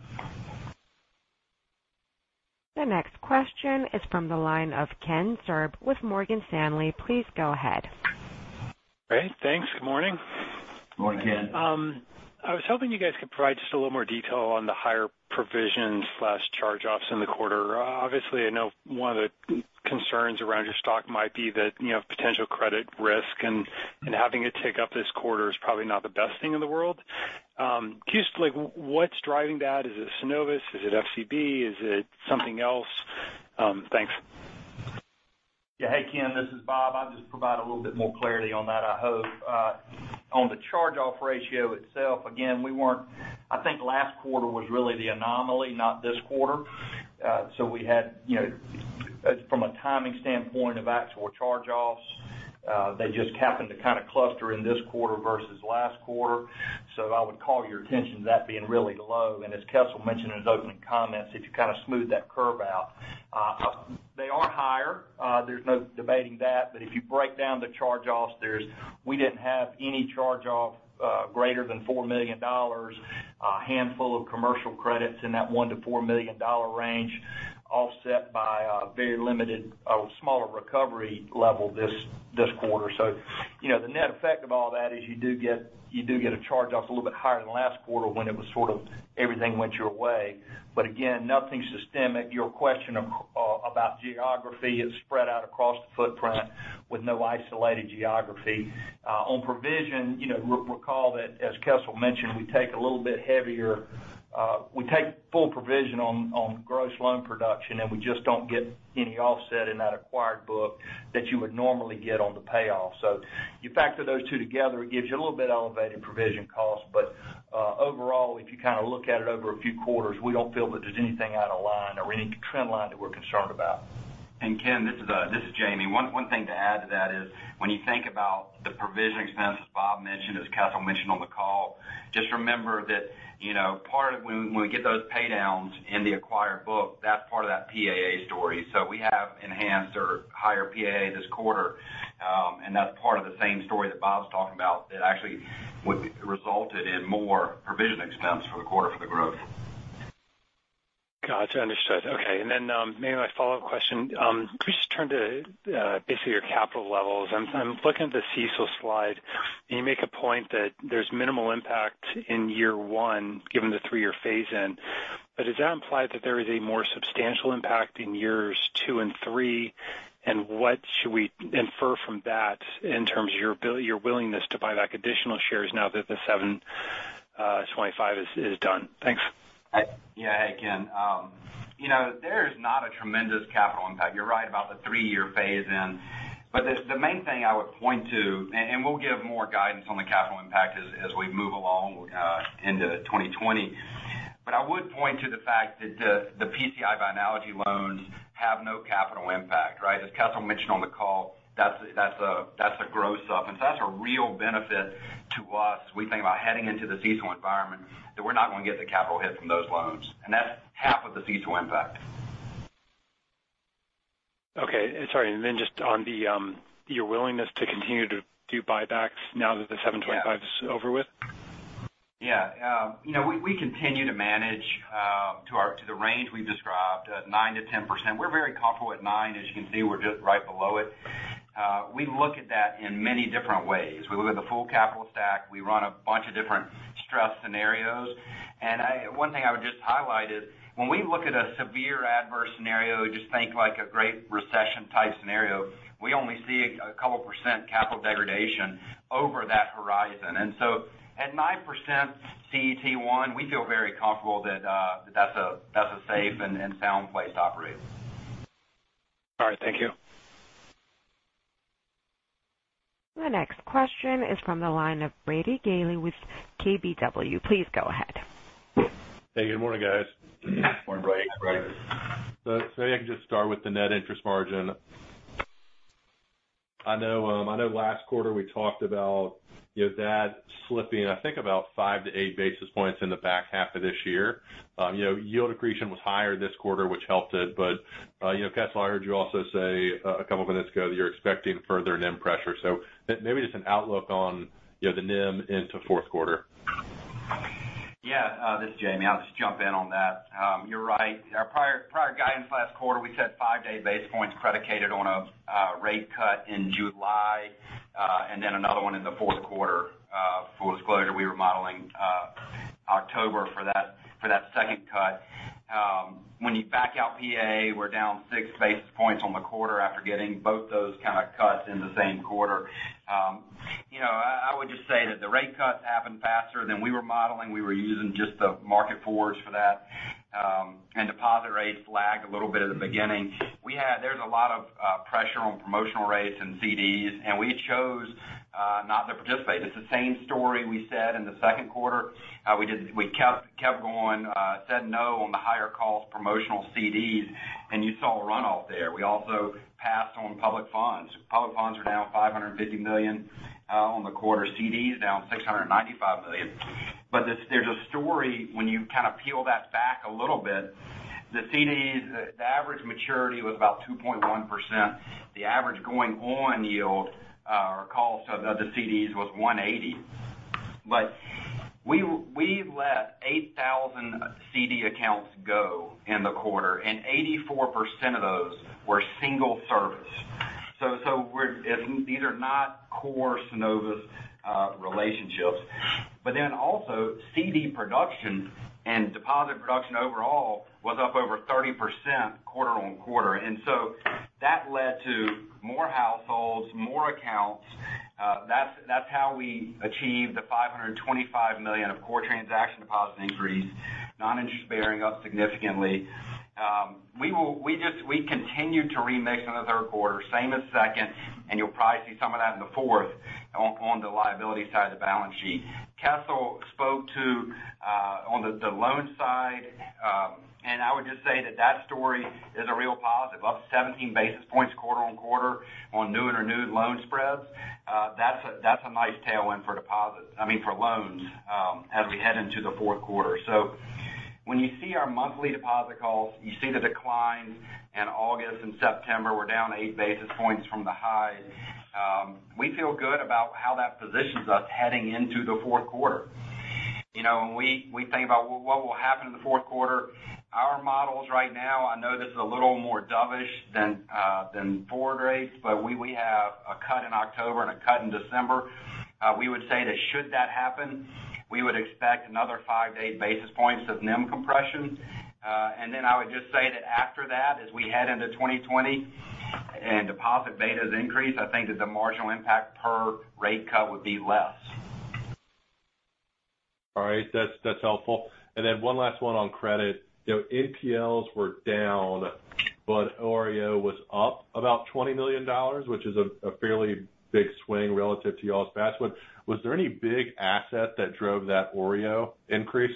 The next question is from the line of Ken Zerbe with Morgan Stanley. Please go ahead. Great. Thanks. Good morning. Morning, Ken. I was hoping you guys could provide just a little more detail on the higher provisions/charge-offs in the quarter. Obviously, I know one of the concerns around your stock might be the potential credit risk, and having it tick up this quarter is probably not the best thing in the world. Can you just what's driving that? Is it Synovus? Is it FCB? Is it something else? Thanks. Yeah. Hey, Ken, this is Bob. I'll just provide a little bit more clarity on that, I hope. On the charge-off ratio itself, again, I think last quarter was really the anomaly, not this quarter. We had, from a timing standpoint of actual charge-offs, they just happened to kind of cluster in this quarter versus last quarter. I would call your attention to that being really low. As Kessel mentioned in his opening comments, if you kind of smooth that curve out. They are higher, there's no debating that, but if you break down the charge-offs, we didn't have any charge-off greater than $4 million. A handful of commercial credits in that $1 million-$4 million range, offset by a very limited smaller recovery level this quarter. The net effect of all that is you do get a charge-off a little bit higher than last quarter when it was sort of everything went your way. Again, nothing systemic. Your question about geography, it's spread out across the footprint with no isolated geography. On provision, recall that as Kessel mentioned, we take full provision on gross loan production, and we just don't get any offset in that acquired book that you would normally get on the payoff. You factor those two together, it gives you a little bit elevated provision cost. Overall, if you kind of look at it over a few quarters, we don't feel that there's anything out of line or any trend line that we're concerned about. Ken, this is Jamie. One thing to add to that is when you think about the provision expense, as Bob mentioned, as Kessel mentioned on the call, just remember that when we get those pay downs in the acquired book, that's part of that PAA story. We have enhanced or higher PAA this quarter. That's part of the same story that Bob's talking about that actually would resulted in more provision expense for the quarter for the growth. Gotcha. Understood. Okay. Maybe my follow-up question, could we just turn to basically your capital levels? I'm looking at the CECL slide, and you make a point that there's minimal impact in year one, given the three-year phase-in. Does that imply that there is a more substantial impact in years two and three? What should we infer from that in terms of your willingness to buy back additional shares now that the 725 is done? Thanks. Hey, Ken. There's not a tremendous capital impact. You're right about the three-year phase-in. The main thing I would point to, and we'll give more guidance on the capital impact as we move along into 2020. I would point to the fact that the PCI by analogy loans have no capital impact, right? As Kessel mentioned on the call, that's a gross-up. That's a real benefit to us as we think about heading into the CECL environment, that we're not going to get the capital hit from those loans. That's half of the CECL impact. Okay. Sorry. Just on your willingness to continue to do buybacks now that the 725- Yeah is over with. Yeah. We continue to manage to the range we've described, 9%-10%. We're very comfortable at 9, as you can see, we're just right below it. We look at that in many different ways. We look at the full capital stack. We run a bunch of different stress scenarios. One thing I would just highlight is when we look at a severe adverse scenario, just think like a Great Recession type scenario, we only see a couple % capital degradation over that horizon. So at 9% CET1, we feel very comfortable that that's a safe and sound place to operate. All right. Thank you. The next question is from the line of Brady Gailey with KBW. Please go ahead. Hey, good morning, guys. Morning, Brady. If I can just start with the net interest margin. I know last quarter we talked about that slipping, I think about 5-8 basis points in the back half of this year. Yield accretion was higher this quarter, which helped it. Kessel, I heard you also say a couple of minutes ago that you're expecting further NIM pressure. Maybe just an outlook on the NIM into fourth quarter. Yeah. This is Jamie. I'll just jump in on that. You're right. Our prior guidance last quarter, we said 5 to 8 basis points predicated on a rate cut in July, and then another one in the fourth quarter. Full disclosure, we were modeling October for that second cut. When you back out PA, we're down 6 basis points on the quarter after getting both those kind of cuts in the same quarter. I would just say that the rate cuts happened faster than we were modeling. We were using just the market forwards for that. Deposit rates lagged a little bit at the beginning. There's a lot of pressure on promotional rates and CDs, and we chose not to participate. It's the same story we said in the second quarter. We kept going, said no on the higher cost promotional CDs, and you saw a runoff there. We also passed on public funds. Public funds are down $550 million on the quarter, CDs down $695 million. There's a story when you kind of peel that back a little bit. The CDs, the average maturity was about 2.1%. The average going on yield, or cost of the CDs was 1.80%. We've let 8,000 CD accounts go in the quarter, and 84% of those were single service. These are not core Synovus relationships. Also CD production and deposit production overall was up over 30% quarter on quarter. That led to more households, more accounts. That's how we achieved the $525 million of core transaction deposit increase, non-interest bearing up significantly. We continued to remix in the third quarter, same as second, and you'll probably see some of that in the fourth on the liability side of the balance sheet. Kessel spoke to on the loan side, I would just say that story is a real positive, up 17 basis points quarter-on-quarter on new and renewed loan spreads. That's a nice tailwind for loans as we head into the fourth quarter. When you see our monthly deposit calls, you see the decline in August and September. We're down 8 basis points from the high. We feel good about how that positions us heading into the fourth quarter. When we think about what will happen in the fourth quarter, our models right now, I know this is a little more dovish than forward rates, we have a cut in October and a cut in December. We would say that should that happen, we would expect another 5 to 8 basis points of NIM compression. I would just say that after that, as we head into 2020 and deposit betas increase, I think that the marginal impact per rate cut would be less. All right. That's helpful. One last one on credit. NPLs were down, but OREO was up about $20 million, which is a fairly big swing relative to y'all's basket. Was there any big asset that drove that OREO increase?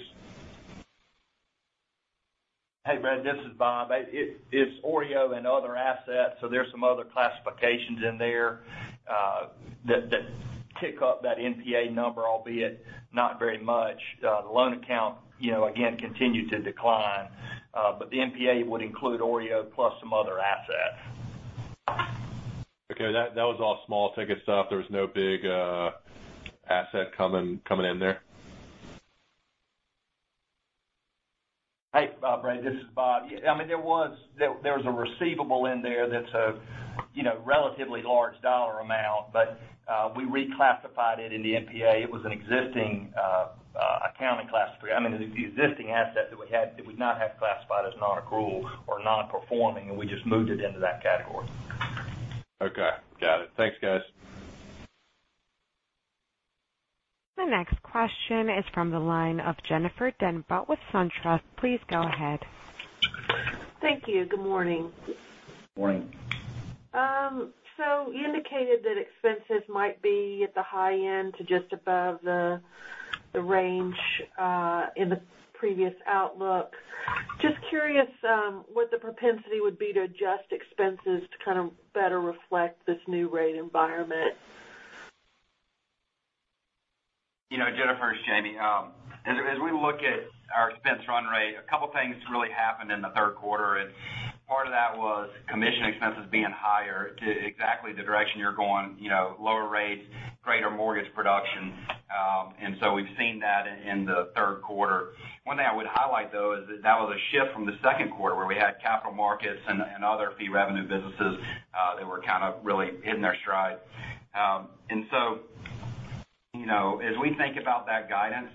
Hey, Brad, this is Bob. It's OREO and other assets. There's some other classifications in there that tick up that NPA number, albeit not very much. The loan account again, continued to decline. The NPA would include OREO plus some other assets. Okay. That was all small ticket stuff. There was no big asset coming in there? Hey, Brad, this is Bob. There was a receivable in there that's a relatively large dollar amount, but we reclassified it in the NPA. It was an existing account in class 3, the existing asset that we had that we've not had classified as non-accrual or non-performing, and we just moved it into that category. Okay. Got it. Thanks, guys. The next question is from the line of Jennifer Demba with SunTrust. Please go ahead. Thank you. Good morning. Morning. You indicated that expenses might be at the high end to just above the range in the previous outlook. Just curious what the propensity would be to adjust expenses to kind of better reflect this new rate environment? Jennifer, it's Jamie. As we look at our expense run rate, a couple of things really happened in the third quarter, part of that was commission expenses being higher to exactly the direction you're going, lower rates, greater mortgage production. So we've seen that in the third quarter. One thing I would highlight, though, is that was a shift from the second quarter where we had capital markets and other fee revenue businesses that were kind of really in their stride. So as we think about that guidance,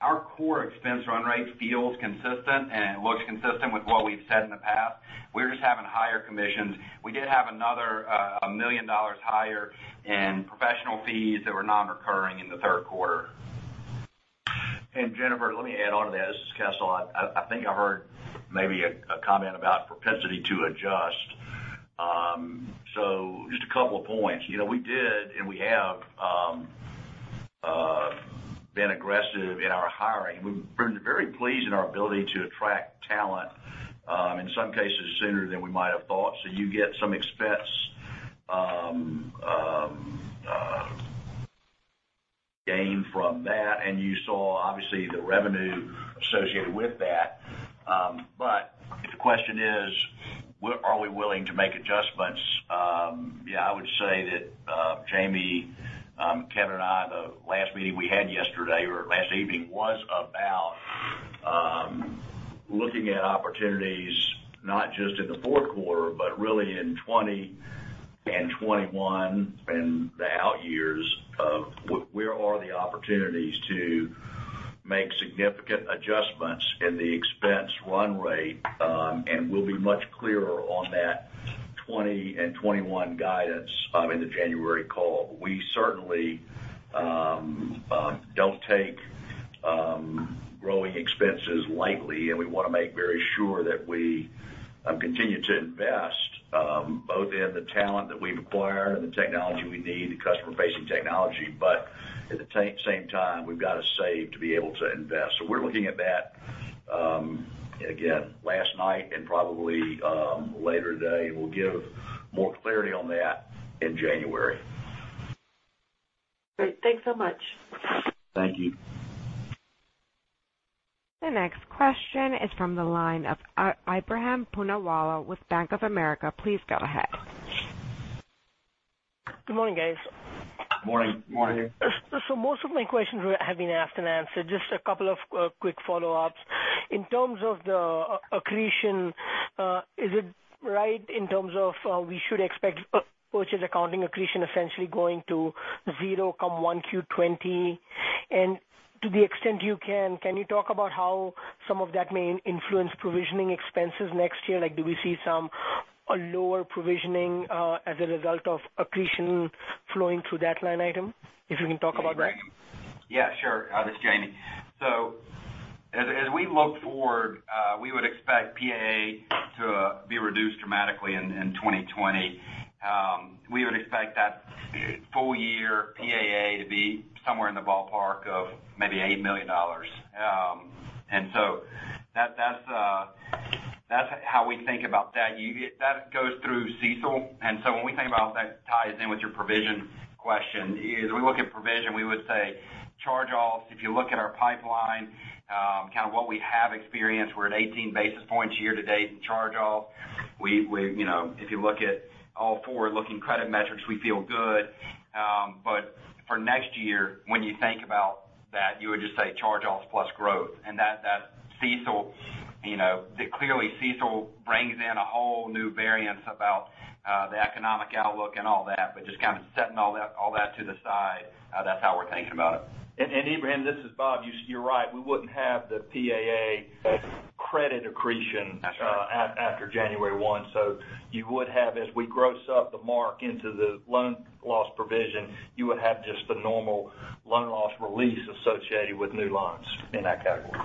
our core expense run rate feels consistent and it looks consistent with what we've said in the past. We're just having higher commissions. We did have another $1 million higher in professional fees that were non-recurring in the third quarter. Jennifer, let me add on to that. This is Kessel. I think I heard maybe a comment about propensity to adjust. Just a couple of points. We did and we have been aggressive in our hiring. We've been very pleased in our ability to attract talent, in some cases sooner than we might have thought. You get some expense gain from that, and you saw, obviously, the revenue associated with that. If the question is, are we willing to make adjustments? I would say that Jamie, Kevin, and I, the last meeting we had yesterday or last evening was about looking at opportunities not just in the fourth quarter, but really in 2020 and 2021 and the out years of where are the opportunities to make significant adjustments in the expense run rate. We'll be much clearer on that 2020 and 2021 guidance in the January call. We certainly don't take growing expenses lightly. We want to make very sure that we continue to invest both in the talent that we've acquired and the technology we need, the customer-facing technology. At the same time, we've got to save to be able to invest. We're looking at that again last night and probably later today. We'll give more clarity on that in January. Great. Thanks so much. Thank you. The next question is from the line of Ebrahim Poonawala with Bank of America. Please go ahead. Good morning, guys. Morning. Morning. Most of my questions have been asked and answered. Just a couple of quick follow-ups. In terms of the accretion, is it right in terms of we should expect purchase accounting accretion essentially going to zero come 1Q 2020? And to the extent you can you talk about how some of that may influence provisioning expenses next year? Do we see some lower provisioning as a result of accretion flowing through that line item? If you can talk about that. Yeah, sure. This is Jamie. As we look forward, we would expect PAA to be reduced dramatically in 2020. We would expect that full year PAA to be somewhere in the ballpark of maybe $8 million. That's how we think about that. That goes through CECL. When we think about how that ties in with your provision question is we look at provision, we would say charge-offs. If you look at our pipeline, kind of what we have experienced, we're at 18 basis points year to date in charge-off. If you look at all forward-looking credit metrics, we feel good. For next year, when you think about that, you would just say charge-offs plus growth. Clearly, CECL brings in a whole new variance about the economic outlook and all that. Just kind of setting all that to the side, that's how we're thinking about it. Ebrahim, this is Bob. You're right. We wouldn't have the PAA credit accretion. That's right. after January 1. As we gross up the mark into the loan loss provision, you would have just the normal loan loss release associated with new loans in that category.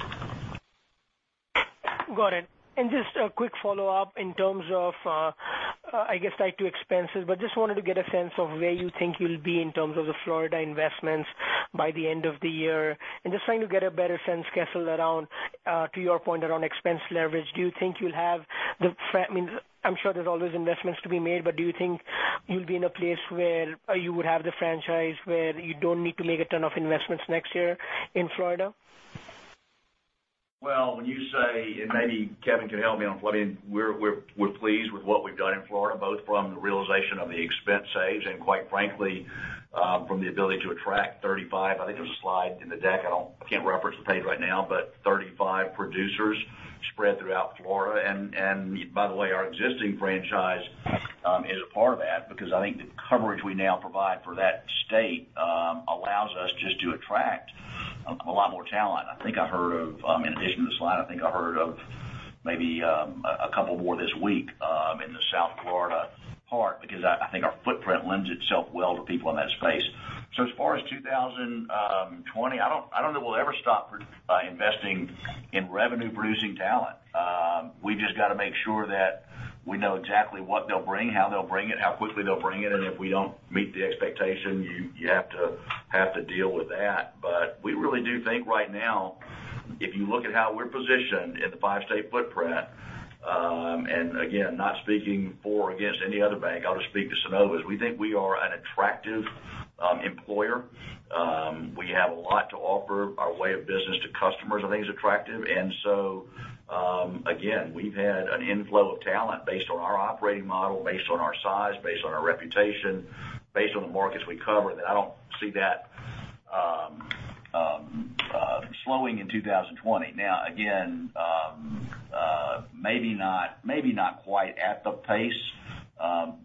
Got it. Just a quick follow-up in terms of, I guess, tied to expenses, but just wanted to get a sense of where you think you'll be in terms of the Florida investments by the end of the year. Just trying to get a better sense, Kessel, to your point around expense leverage, I'm sure there's always investments to be made, but do you think you'll be in a place where you would have the franchise where you don't need to make a ton of investments next year in Florida? Well, when you say, and maybe Kevin can help me on flooding, we're pleased with what we've done in Florida, both from the realization of the expense saves and quite frankly, from the ability to attract 35, I think there's a slide in the deck. I can't reference the page right now, but 35 producers spread throughout Florida. By the way, our existing franchise is a part of that because I think the coverage we now provide for that state allows us just to attract a lot more talent. In addition to the slide, I think I heard of maybe a couple more this week in the South Florida part because I think our footprint lends itself well to people in that space. As far as 2020, I don't know that we'll ever stop investing in revenue-producing talent. We've just got to make sure that we know exactly what they'll bring, how they'll bring it, how quickly they'll bring it, and if we don't meet the expectation, you have to deal with that. We really do think right now, if you look at how we're positioned in the five-state footprint, and again, not speaking for or against any other bank, I'll just speak to Synovus. We think we are an attractive employer. We have a lot to offer. Our way of business to customers, I think, is attractive. Again, we've had an inflow of talent based on our operating model, based on our size, based on our reputation, based on the markets we cover, that I don't see that slowing in 2020. Now again, maybe not quite at the pace,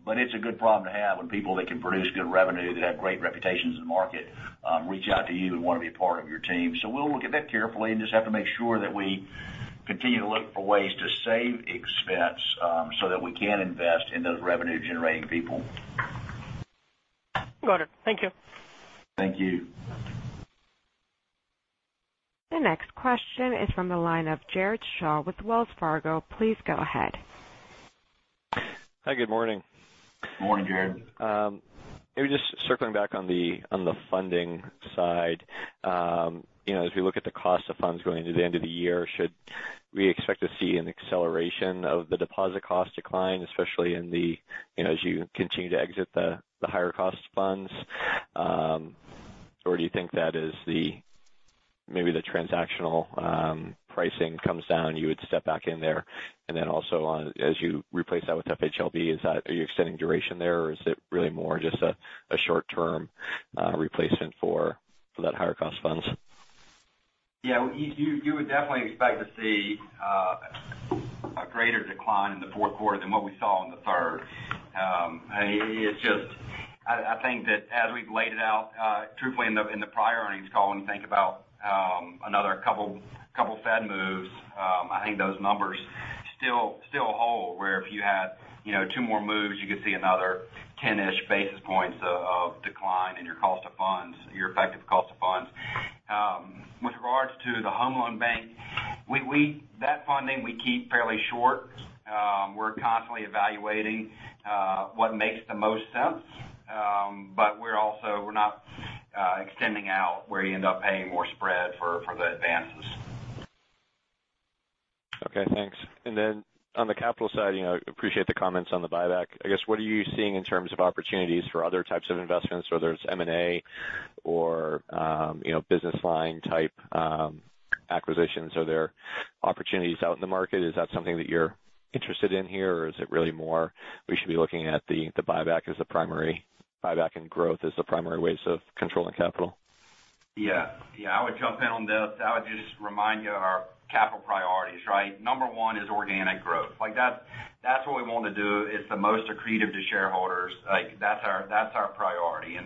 but it's a good problem to have when people that can produce good revenue, that have great reputations in the market reach out to you and want to be a part of your team. We'll look at that carefully and just have to make sure that we continue to look for ways to save expense so that we can invest in those revenue-generating people. Got it. Thank you. Thank you. The next question is from the line of Jared Shaw with Wells Fargo. Please go ahead. Hi. Good morning. Morning, Jared. Just circling back on the funding side. As we look at the cost of funds going into the end of the year, should we expect to see an acceleration of the deposit cost decline, especially as you continue to exit the higher cost funds? Do you think that as maybe the transactional pricing comes down, you would step back in there? As you replace that with FHLB, are you extending duration there or is it really more just a short-term replacement for that higher cost funds? Yeah. You would definitely expect to see a greater decline in the fourth quarter than what we saw in the third. I think that as we've laid it out, truthfully, in the prior earnings call, when you think about another couple of Fed moves, I think those numbers still hold, where if you had two more moves, you could see another 10-ish basis points of decline in your effective cost of funds. With regards to the Home Loan Bank, that funding we keep fairly short. We're constantly evaluating what makes the most sense. We're not extending out where you end up paying more spread for the advances. Okay, thanks. On the capital side, appreciate the comments on the buyback. I guess, what are you seeing in terms of opportunities for other types of investments, whether it's M&A or business line type acquisitions? Are there opportunities out in the market? Is that something that you're interested in here, or is it really more we should be looking at the buyback and growth as the primary ways of controlling capital? Yeah. I would jump in on this. I would just remind you our capital priorities, right? Number 1 is organic growth. That's what we want to do. It's the most accretive to shareholders. That's our priority.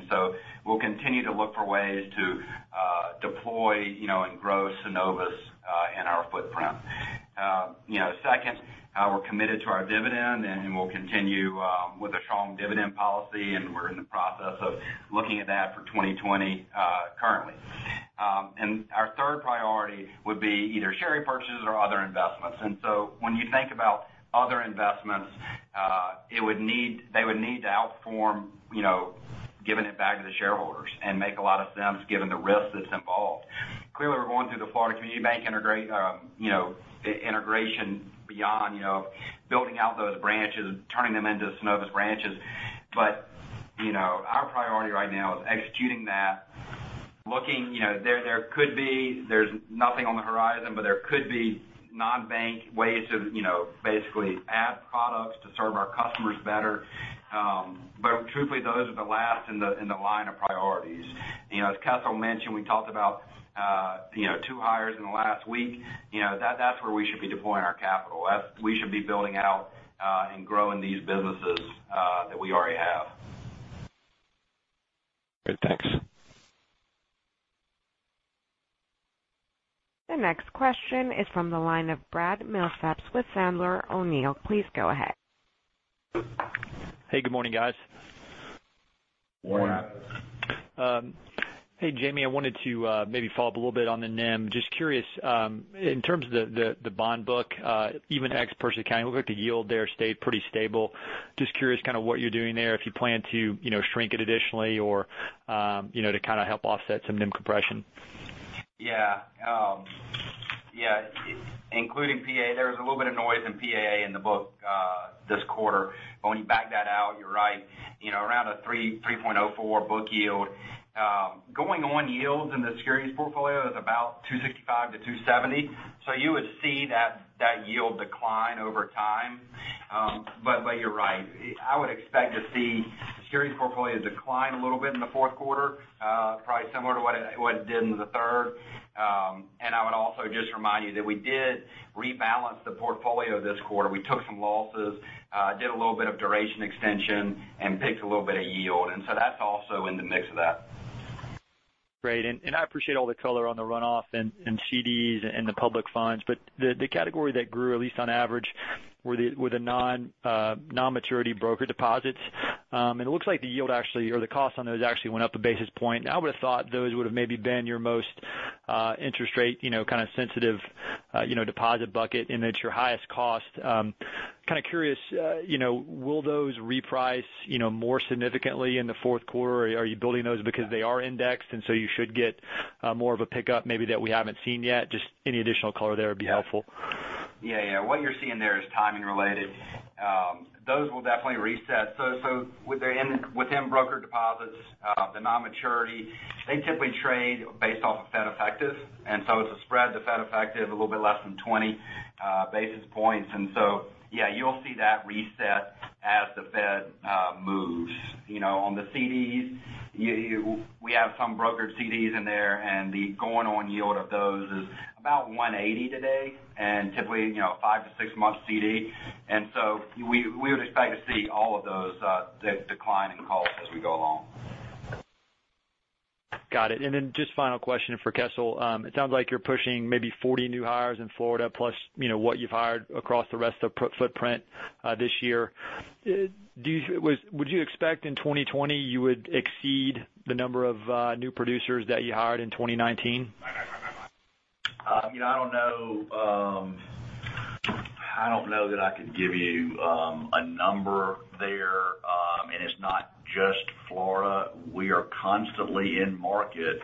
We'll continue to look for ways to deploy and grow Synovus in our footprint. Second, we're committed to our dividend, and we'll continue with a strong dividend policy, and we're in the process of looking at that for 2020 currently. Our third priority would be either share repurchases or other investments. When you think about other investments, they would need to outperform giving it back to the shareholders and make a lot of sense given the risk that's involved. Clearly, we're going through the Florida Community Bank integration beyond building out those branches and turning them into Synovus branches. Our priority right now is executing that. There's nothing on the horizon, but there could be non-bank ways to basically add products to serve our customers better. Truthfully, those are the last in the line of priorities. As Kessel mentioned, we talked about two hires in the last week. That's where we should be deploying our capital. We should be building out and growing these businesses that we already have. Great. Thanks. The next question is from the line of Brad Milsaps with Sandler O'Neill. Please go ahead. Hey, good morning, guys. Morning. Hey, Jamie, I wanted to maybe follow up a little bit on the NIM. Just curious, in terms of the bond book even ex-purchase accounting, it looked like the yield there stayed pretty stable. Just curious kind of what you're doing there, if you plan to shrink it additionally or to kind of help offset some NIM compression. Including PAA, there was a little bit of noise in PAA in the book this quarter. When you back that out, you're right, around a 3.04 book yield. Going on yields in the securities portfolio is about 2.65%-2.70%. You would see that yield decline over time. You're right. I would expect to see the securities portfolio decline a little bit in the fourth quarter, probably similar to what it did in the third. I would also just remind you that we did rebalance the portfolio this quarter. We took some losses, did a little bit of duration extension, and picked a little bit of yield. That's also in the mix of that. Great. I appreciate all the color on the runoff and CDs and the public funds. The category that grew, at least on average, were the non-maturity broker deposits. It looks like the yield actually, or the cost on those actually went up one basis point. I would've thought those would've maybe been your most interest rate kind of sensitive deposit bucket, and it's your highest cost. Kind of curious, will those reprice more significantly in the fourth quarter? Are you building those because they are indexed and so you should get more of a pickup maybe that we haven't seen yet? Any additional color there would be helpful. Yeah. What you're seeing there is timing related. Those will definitely reset. Within broker deposits, the non-maturity, they typically trade based off of Fed effective, it's a spread to Fed effective a little bit less than 20 basis points. Yeah, you will see that reset as the Fed moves. On the CDs, we have some brokered CDs in there, the going on yield of those is about 180 today, typically five to six months CD. We would expect to see all of those decline in cost as we go along. Got it. Just final question for Kessel. It sounds like you're pushing maybe 40 new hires in Florida plus what you've hired across the rest of footprint this year. Would you expect in 2020 you would exceed the number of new producers that you hired in 2019? I don't know that I could give you a number there. It's not just Florida. We are constantly in market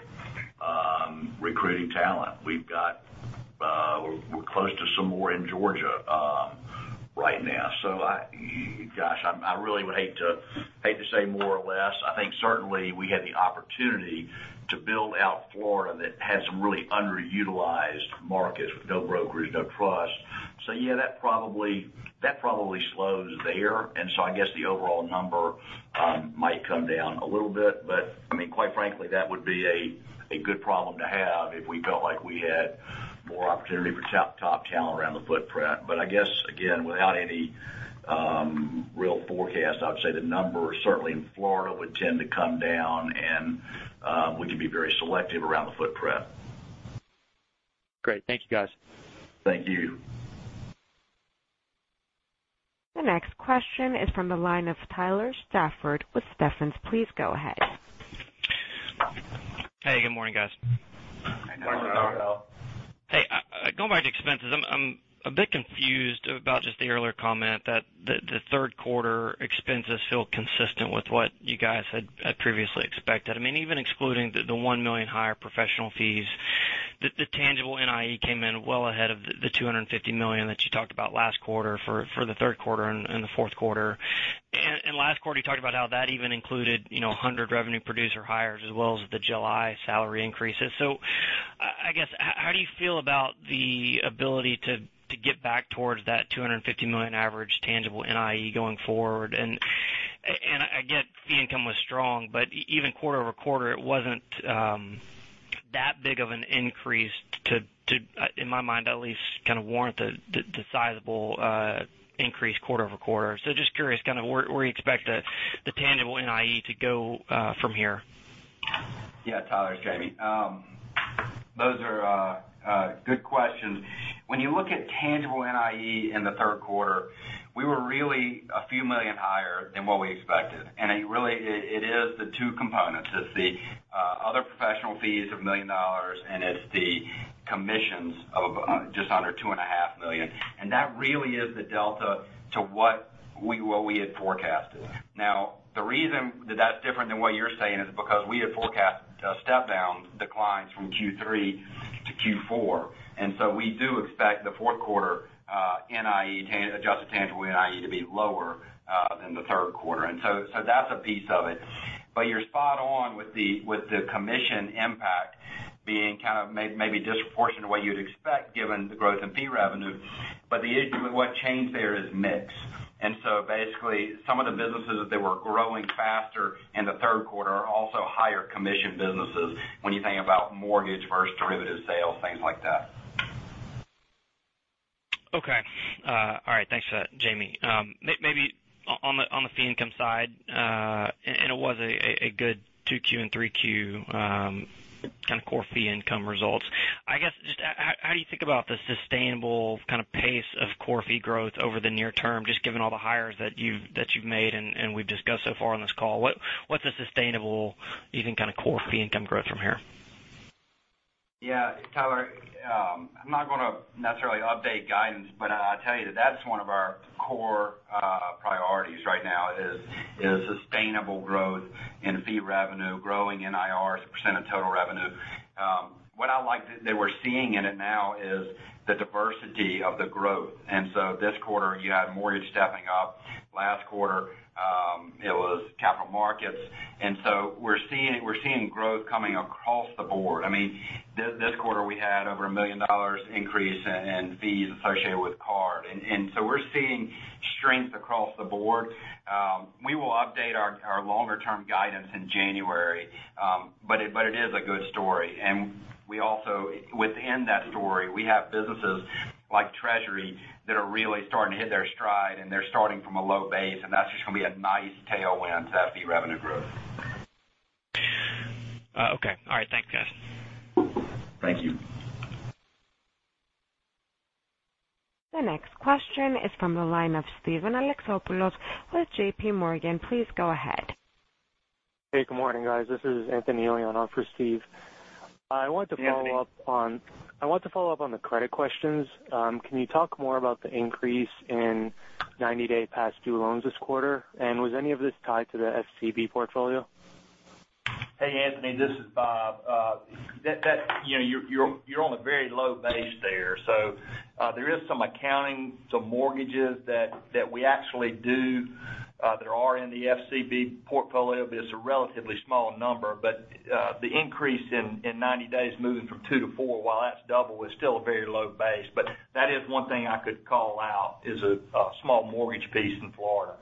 recruiting talent. We're close to some more in Georgia right now. Gosh, I really would hate to say more or less. I think certainly we had the opportunity to build out Florida that had some really underutilized markets with no brokerage, no trust. Yeah, that probably slows there. I guess the overall number might come down a little bit, but quite frankly, that would be a good problem to have if we felt like we had more opportunity for top talent around the footprint. I guess, again, without any real forecast, I would say the numbers certainly in Florida would tend to come down and we can be very selective around the footprint. Great. Thank you, guys. Thank you. The next question is from the line of Tyler Stafford with Stephens. Please go ahead. Hey, good morning, guys. Morning, Tyler. Hey, going back to expenses, I'm a bit confused about just the earlier comment that the third quarter expenses feel consistent with what you guys had previously expected. Even excluding the $1 million higher professional fees, the tangible NIE came in well ahead of the $250 million that you talked about last quarter for the third quarter and the fourth quarter. Last quarter, you talked about how that even included 100 revenue producer hires as well as the July salary increases. I guess, how do you feel about the ability to get back towards that $250 million average tangible NIE going forward? I get fee income was strong, but even quarter-over-quarter, it wasn't that big of an increase to, in my mind at least, warrant the sizable increase quarter-over-quarter. Just curious, where you expect the tangible NIE to go from here? Yeah, Tyler, it's Jamie. Those are good questions. When you look at tangible NIE in the third quarter, we were really a few million higher than what we expected. Really, it is the two components. It's the other professional fees of $1 million, and it's the commissions of just under $2.5 million. That really is the delta to what we had forecasted. Now, the reason that that's different than what you're saying is because we had forecasted a step down declines from Q3 to Q4. So we do expect the fourth quarter adjusted tangible NIE to be lower than the third quarter. So that's a piece of it. You're spot on with the commission impact being maybe disproportionate to what you'd expect given the growth in fee revenue. The issue with what changed there is mix. Basically, some of the businesses that were growing faster in the third quarter are also higher commission businesses when you think about mortgage versus derivative sales, things like that. Okay. All right. Thanks for that, Jamie. Maybe on the fee income side, it was a good 2Q and 3Q kind of core fee income results. I guess, just how do you think about the sustainable kind of pace of core fee growth over the near term, just given all the hires that you've made and we've discussed so far on this call? What's a sustainable even kind of core fee income growth from here? Yeah. Tyler, I'm not going to necessarily update guidance, but I'll tell you that that's one of our core priorities right now is sustainable growth in fee revenue, growing NIR as a percent of total revenue. What I like that we're seeing in it now is the diversity of the growth. This quarter, you had mortgage stepping up. Last quarter, it was capital markets. We're seeing growth coming across the board. This quarter, we had over a $1 million increase in fees associated with card. We're seeing strength across the board. We will update our longer term guidance in January. It is a good story. Within that story, we have businesses like Treasury that are really starting to hit their stride, and they're starting from a low base, and that's just going to be a nice tailwind to that fee revenue growth. Okay. All right. Thanks, guys. Thank you. The next question is from the line of Steven Alexopoulos with JPMorgan. Please go ahead. Hey, good morning, guys. This is Anthony on for Steve. Hey, Anthony. I want to follow up on the credit questions. Can you talk more about the increase in 90-day past due loans this quarter? Was any of this tied to the FCB portfolio? Hey, Anthony, this is Bob. You're on a very low base there. There is some accounting, some mortgages that we actually do that are in the FCB portfolio, but it's a relatively small number. The increase in 90 days moving from two to four, while that's double, is still a very low base. That is one thing I could call out is a small mortgage piece in Florida.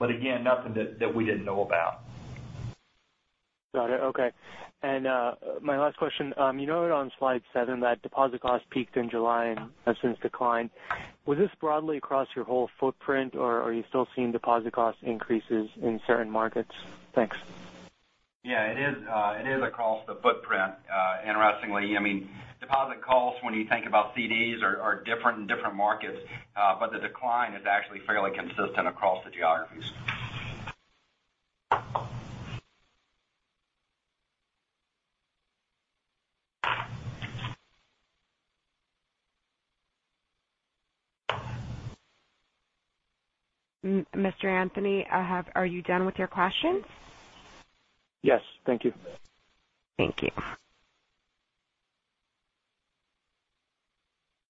Again, nothing that we didn't know about. Got it. Okay. My last question, you noted on slide seven that deposit costs peaked in July and has since declined. Was this broadly across your whole footprint, or are you still seeing deposit cost increases in certain markets? Thanks. Yeah, it is across the footprint. Interestingly, deposit costs when you think about CDs are different in different markets, but the decline is actually fairly consistent across the geographies. Mr. Anthony are you done with your questions? Yes. Thank you. Thank you.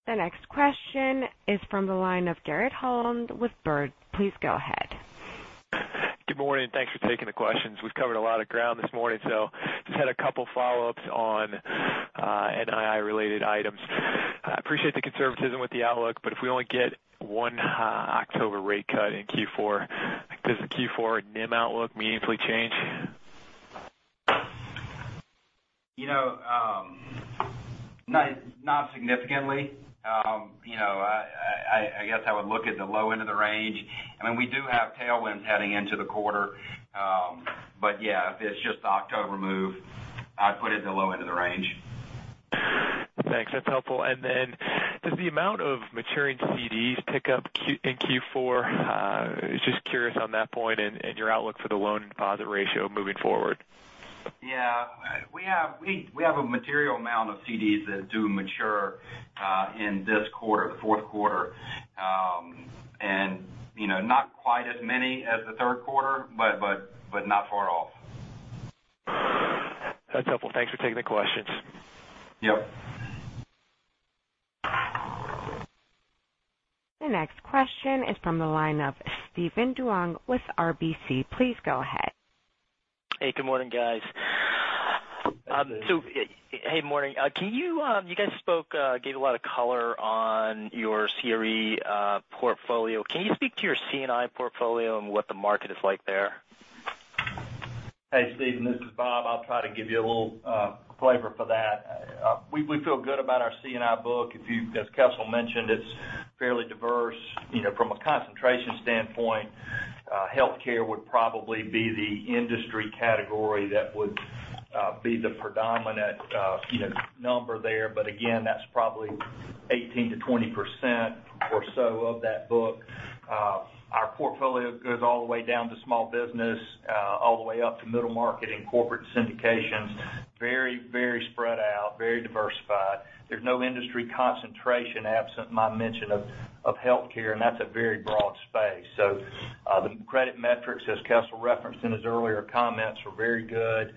The next question is from the line of Garrett Holland with Baird. Please go ahead. Good morning. Thanks for taking the questions. We've covered a lot of ground this morning, so just had a couple follow-ups on NII related items. I appreciate the conservatism with the outlook, but if we only get one October rate cut in Q4, does the Q4 NIM outlook meaningfully change? Not significantly. I guess I would look at the low end of the range. We do have tailwinds heading into the quarter. Yeah, if it's just the October move, I'd put it at the low end of the range. Thanks. That's helpful. Does the amount of maturing CDs pick up in Q4? Just curious on that point and your outlook for the loan deposit ratio moving forward. Yeah. We have a material amount of CDs that do mature in this quarter, the fourth quarter. Not quite as many as the third quarter, but not far off. That's helpful. Thanks for taking the questions. Yep. The next question is from the line of Steven Duong with RBC. Please go ahead. Hey, good morning, guys. Hey. Hey, morning. You guys gave a lot of color on your CRE portfolio. Can you speak to your C&I portfolio and what the market is like there? Hey, Steven, this is Bob. I'll try to give you a little flavor for that. We feel good about our C&I book. As Kessel mentioned, it's fairly diverse. From a concentration standpoint, healthcare would probably be the industry category that would be the predominant number there. Again, that's probably 18%-20% or so of that book. Our portfolio goes all the way down to small business, all the way up to middle market and corporate syndications. Very spread out, very diversified. There's no industry concentration absent my mention of healthcare, and that's a very broad space. The credit metrics, as Kessel referenced in his earlier comments, were very good.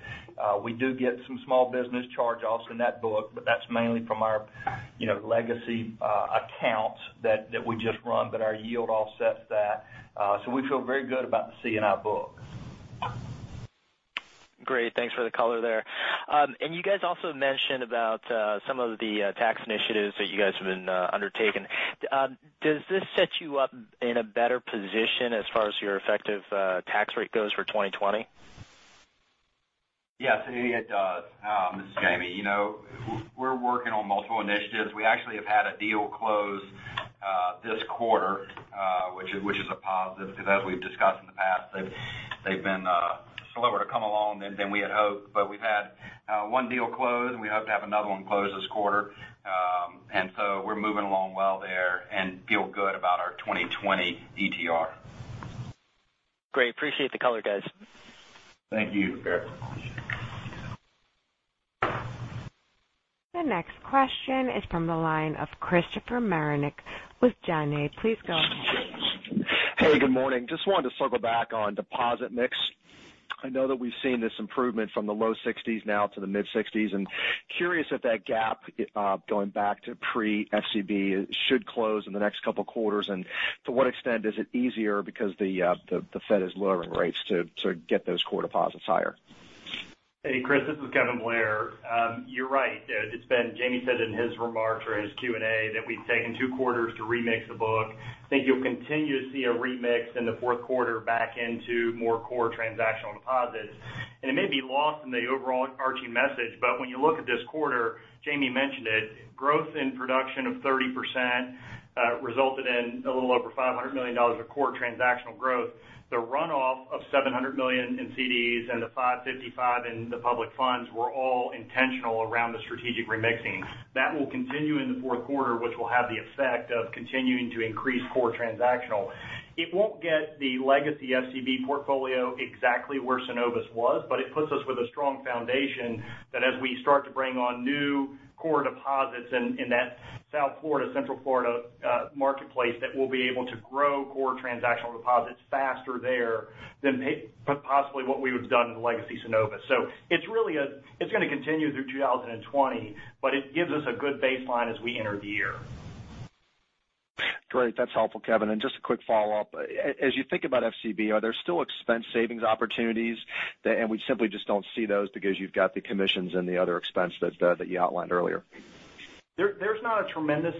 We do get some small business charge-offs in that book, but that's mainly from our legacy accounts that we just run, but our yield offsets that. We feel very good about the C&I book. Great. Thanks for the color there. You guys also mentioned about some of the tax initiatives that you guys have been undertaking. Does this set you up in a better position as far as your effective tax rate goes for 2020? Yes, it does. This is Jamie. We're working on multiple initiatives. We actually have had a deal close this quarter which is a positive because as we've discussed in the past, they've been slower to come along than we had hoped. We've had one deal close, and we hope to have another one close this quarter. We're moving along well there and feel good about our 2020 ETR. Great. Appreciate the color, guys. Thank you, Garrett. The next question is from the line of Christopher Marinac with Janney. Please go ahead. Hey, good morning. Just wanted to circle back on deposit mix. I know that we've seen this improvement from the low 60s now to the mid 60s and curious if that gap, going back to pre-FCB, should close in the next couple of quarters. To what extent is it easier because the Fed is lowering rates to sort of get those core deposits higher? Hey, Chris, this is Kevin Blair. You're right. Jamie said in his remarks or in his Q&A that we've taken two quarters to remix the book. I think you'll continue to see a remix in the fourth quarter back into more core transactional deposits. It may be lost in the overarching message, but when you look at this quarter, Jamie mentioned it, growth in production of 30% resulted in a little over $500 million of core transactional growth. The runoff of $700 million in CDs and the $555 in the public funds were all intentional around the strategic remixing. That will continue in the fourth quarter, which will have the effect of continuing to increase core transactional. It won't get the legacy FCB portfolio exactly where Synovus was, but it puts us with a strong foundation that as we start to bring on new core deposits in that South Florida, Central Florida marketplace, that we'll be able to grow core transactional deposits faster there than possibly what we would have done in the legacy Synovus. It's going to continue through 2020, but it gives us a good baseline as we enter the year. Great. That's helpful, Kevin. Just a quick follow-up. As you think about FCB, are there still expense savings opportunities, and we simply just don't see those because you've got the commissions and the other expense that you outlined earlier? There's not a tremendous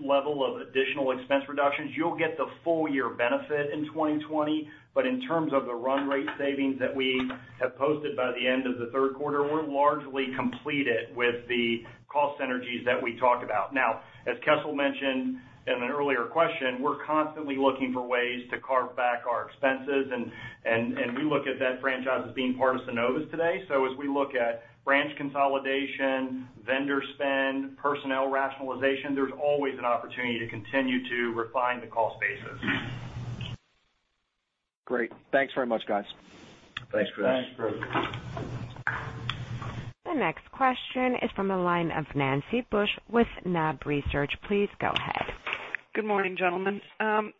level of additional expense reductions. You'll get the full year benefit in 2020. In terms of the run rate savings that we have posted by the end of the third quarter, we're largely completed with the cost synergies that we talked about. As Kessel mentioned in an earlier question, we're constantly looking for ways to carve back our expenses and we look at that franchise as being part of Synovus today. As we look at branch consolidation, vendor spend, personnel rationalization, there's always an opportunity to continue to refine the cost basis. Great. Thanks very much, guys. Thanks, Chris. Thanks, Chris. The next question is from the line of Nancy Bush with NAB Research. Please go ahead. Good morning, gentlemen.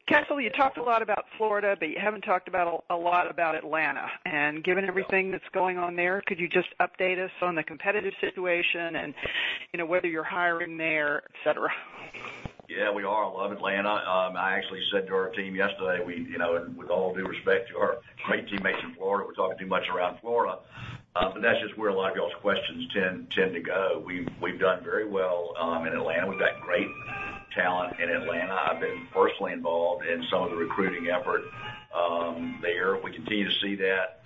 Kessel, you talked a lot about Florida, but you haven't talked a lot about Atlanta. Given everything that's going on there, could you just update us on the competitive situation and whether you're hiring there, et cetera? Yeah, we are. I love Atlanta. I actually said to our team yesterday, and with all due respect to our great teammates in Florida, we're talking too much around Florida. That's just where a lot of y'all's questions tend to go. We've done very well in Atlanta. We've got great talent in Atlanta. I've been personally involved in some of the recruiting effort there. We continue to see that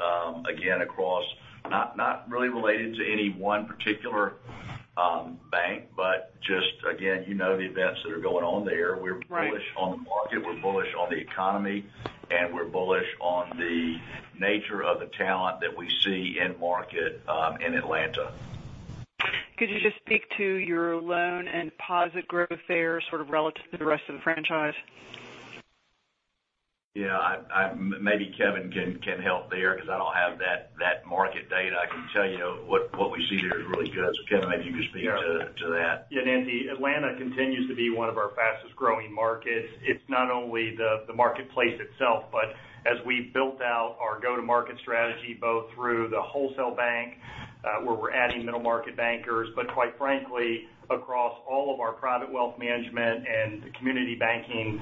again across, not really related to any one particular bank, but just again, you know the events that are going on there. Right. We're bullish on the market, we're bullish on the economy, and we're bullish on the nature of the talent that we see in market in Atlanta. Could you just speak to your loan and deposit growth there, sort of relative to the rest of the franchise? Yeah, maybe Kevin can help there because I don't have that market data. I can tell you what we see there is really good. Kevin, maybe you can speak to that. Yeah, Nancy, Atlanta continues to be one of our fastest-growing markets. It's not only the marketplace itself, but as we've built out our go-to-market strategy, both through the wholesale bank, where we're adding middle-market bankers, but quite frankly, across all of our private wealth management and the community banking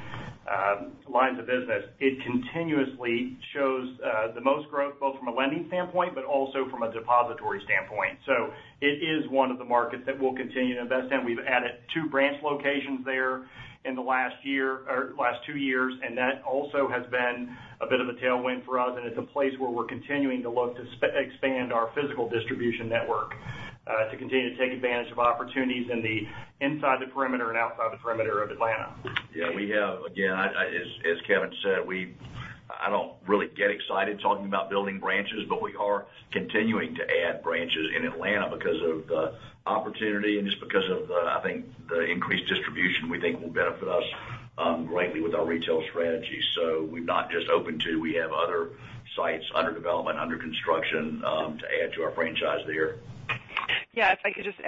lines of business, it continuously shows the most growth, both from a lending standpoint, but also from a depository standpoint. It is one of the markets that we'll continue to invest in. We've added two branch locations there in the last two years, that also has been a bit of a tailwind for us, it's a place where we're continuing to look to expand our physical distribution network to continue to take advantage of opportunities in the inside the perimeter and outside the perimeter of Atlanta. Yeah, we have, again, as Kevin said, I don't really get excited talking about building branches, but we are continuing to add branches in Atlanta because of the opportunity and just because of the increased distribution we think will benefit us greatly with our retail strategy. We've not just opened two, we have other sites under development, under construction to add to our franchise there. Yes, if I could just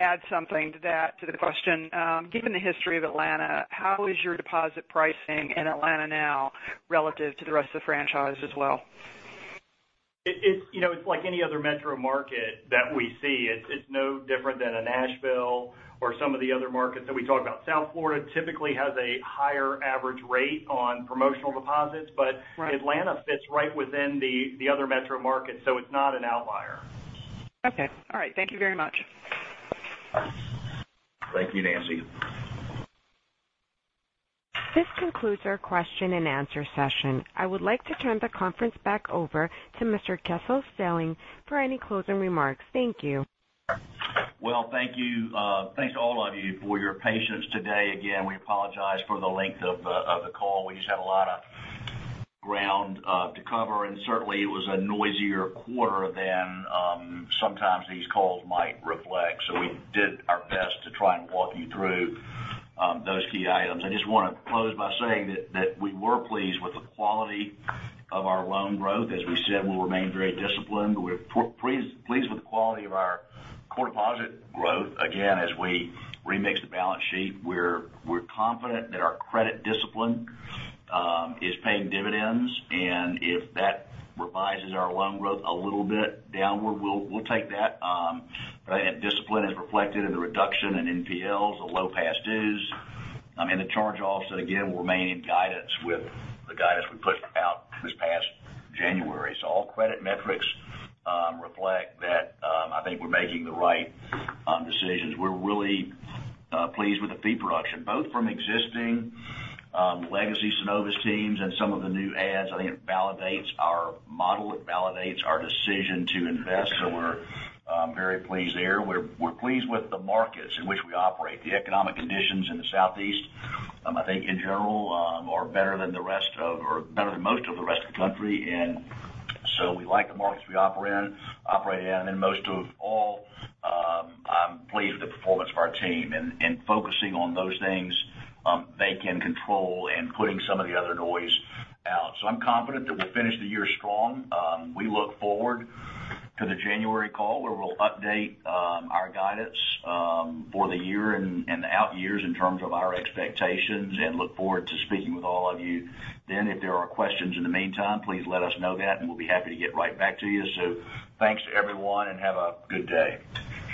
add something to that, to the question. Given the history of Atlanta, how is your deposit pricing in Atlanta now relative to the rest of the franchise as well? It's like any other metro market that we see. It's no different than a Nashville or some of the other markets that we talk about. South Florida typically has a higher average rate on promotional deposits. Right. Atlanta fits right within the other metro markets, so it's not an outlier. Okay. All right. Thank you very much. Thank you, Nancy. This concludes our question and answer session. I would like to turn the conference back over to Mr. Kessel Stelling for any closing remarks. Thank you. Well, thank you. Thanks to all of you for your patience today. Again, we apologize for the length of the call. We just had a lot of ground to cover. Certainly it was a noisier quarter than sometimes these calls might reflect. We did our best to try and walk you through those key items. I just want to close by saying that we were pleased with the quality of our loan growth. As we said, we'll remain very disciplined. We're pleased with the quality of our core deposit growth. Again, as we remix the balance sheet, we're confident that our credit discipline is paying dividends. If that revises our loan growth a little bit downward, we'll take that. Discipline is reflected in the reduction in NPLs, the low past dues, and the charge-offs that again will remain in guidance with the guidance we pushed out this past January. All credit metrics reflect that I think we're making the right decisions. We're really pleased with the fee production, both from existing legacy Synovus teams and some of the new adds. I think it validates our model. It validates our decision to invest. We're very pleased there. We're pleased with the markets in which we operate. The economic conditions in the Southeast, I think in general, are better than most of the rest of the country, we like the markets we operate in. Most of all, I'm pleased with the performance of our team and focusing on those things they can control and putting some of the other noise out. I'm confident that we'll finish the year strong. We look forward to the January call where we'll update our guidance for the year and the out years in terms of our expectations and look forward to speaking with all of you then. If there are questions in the meantime, please let us know that, and we'll be happy to get right back to you. Thanks to everyone, and have a good day.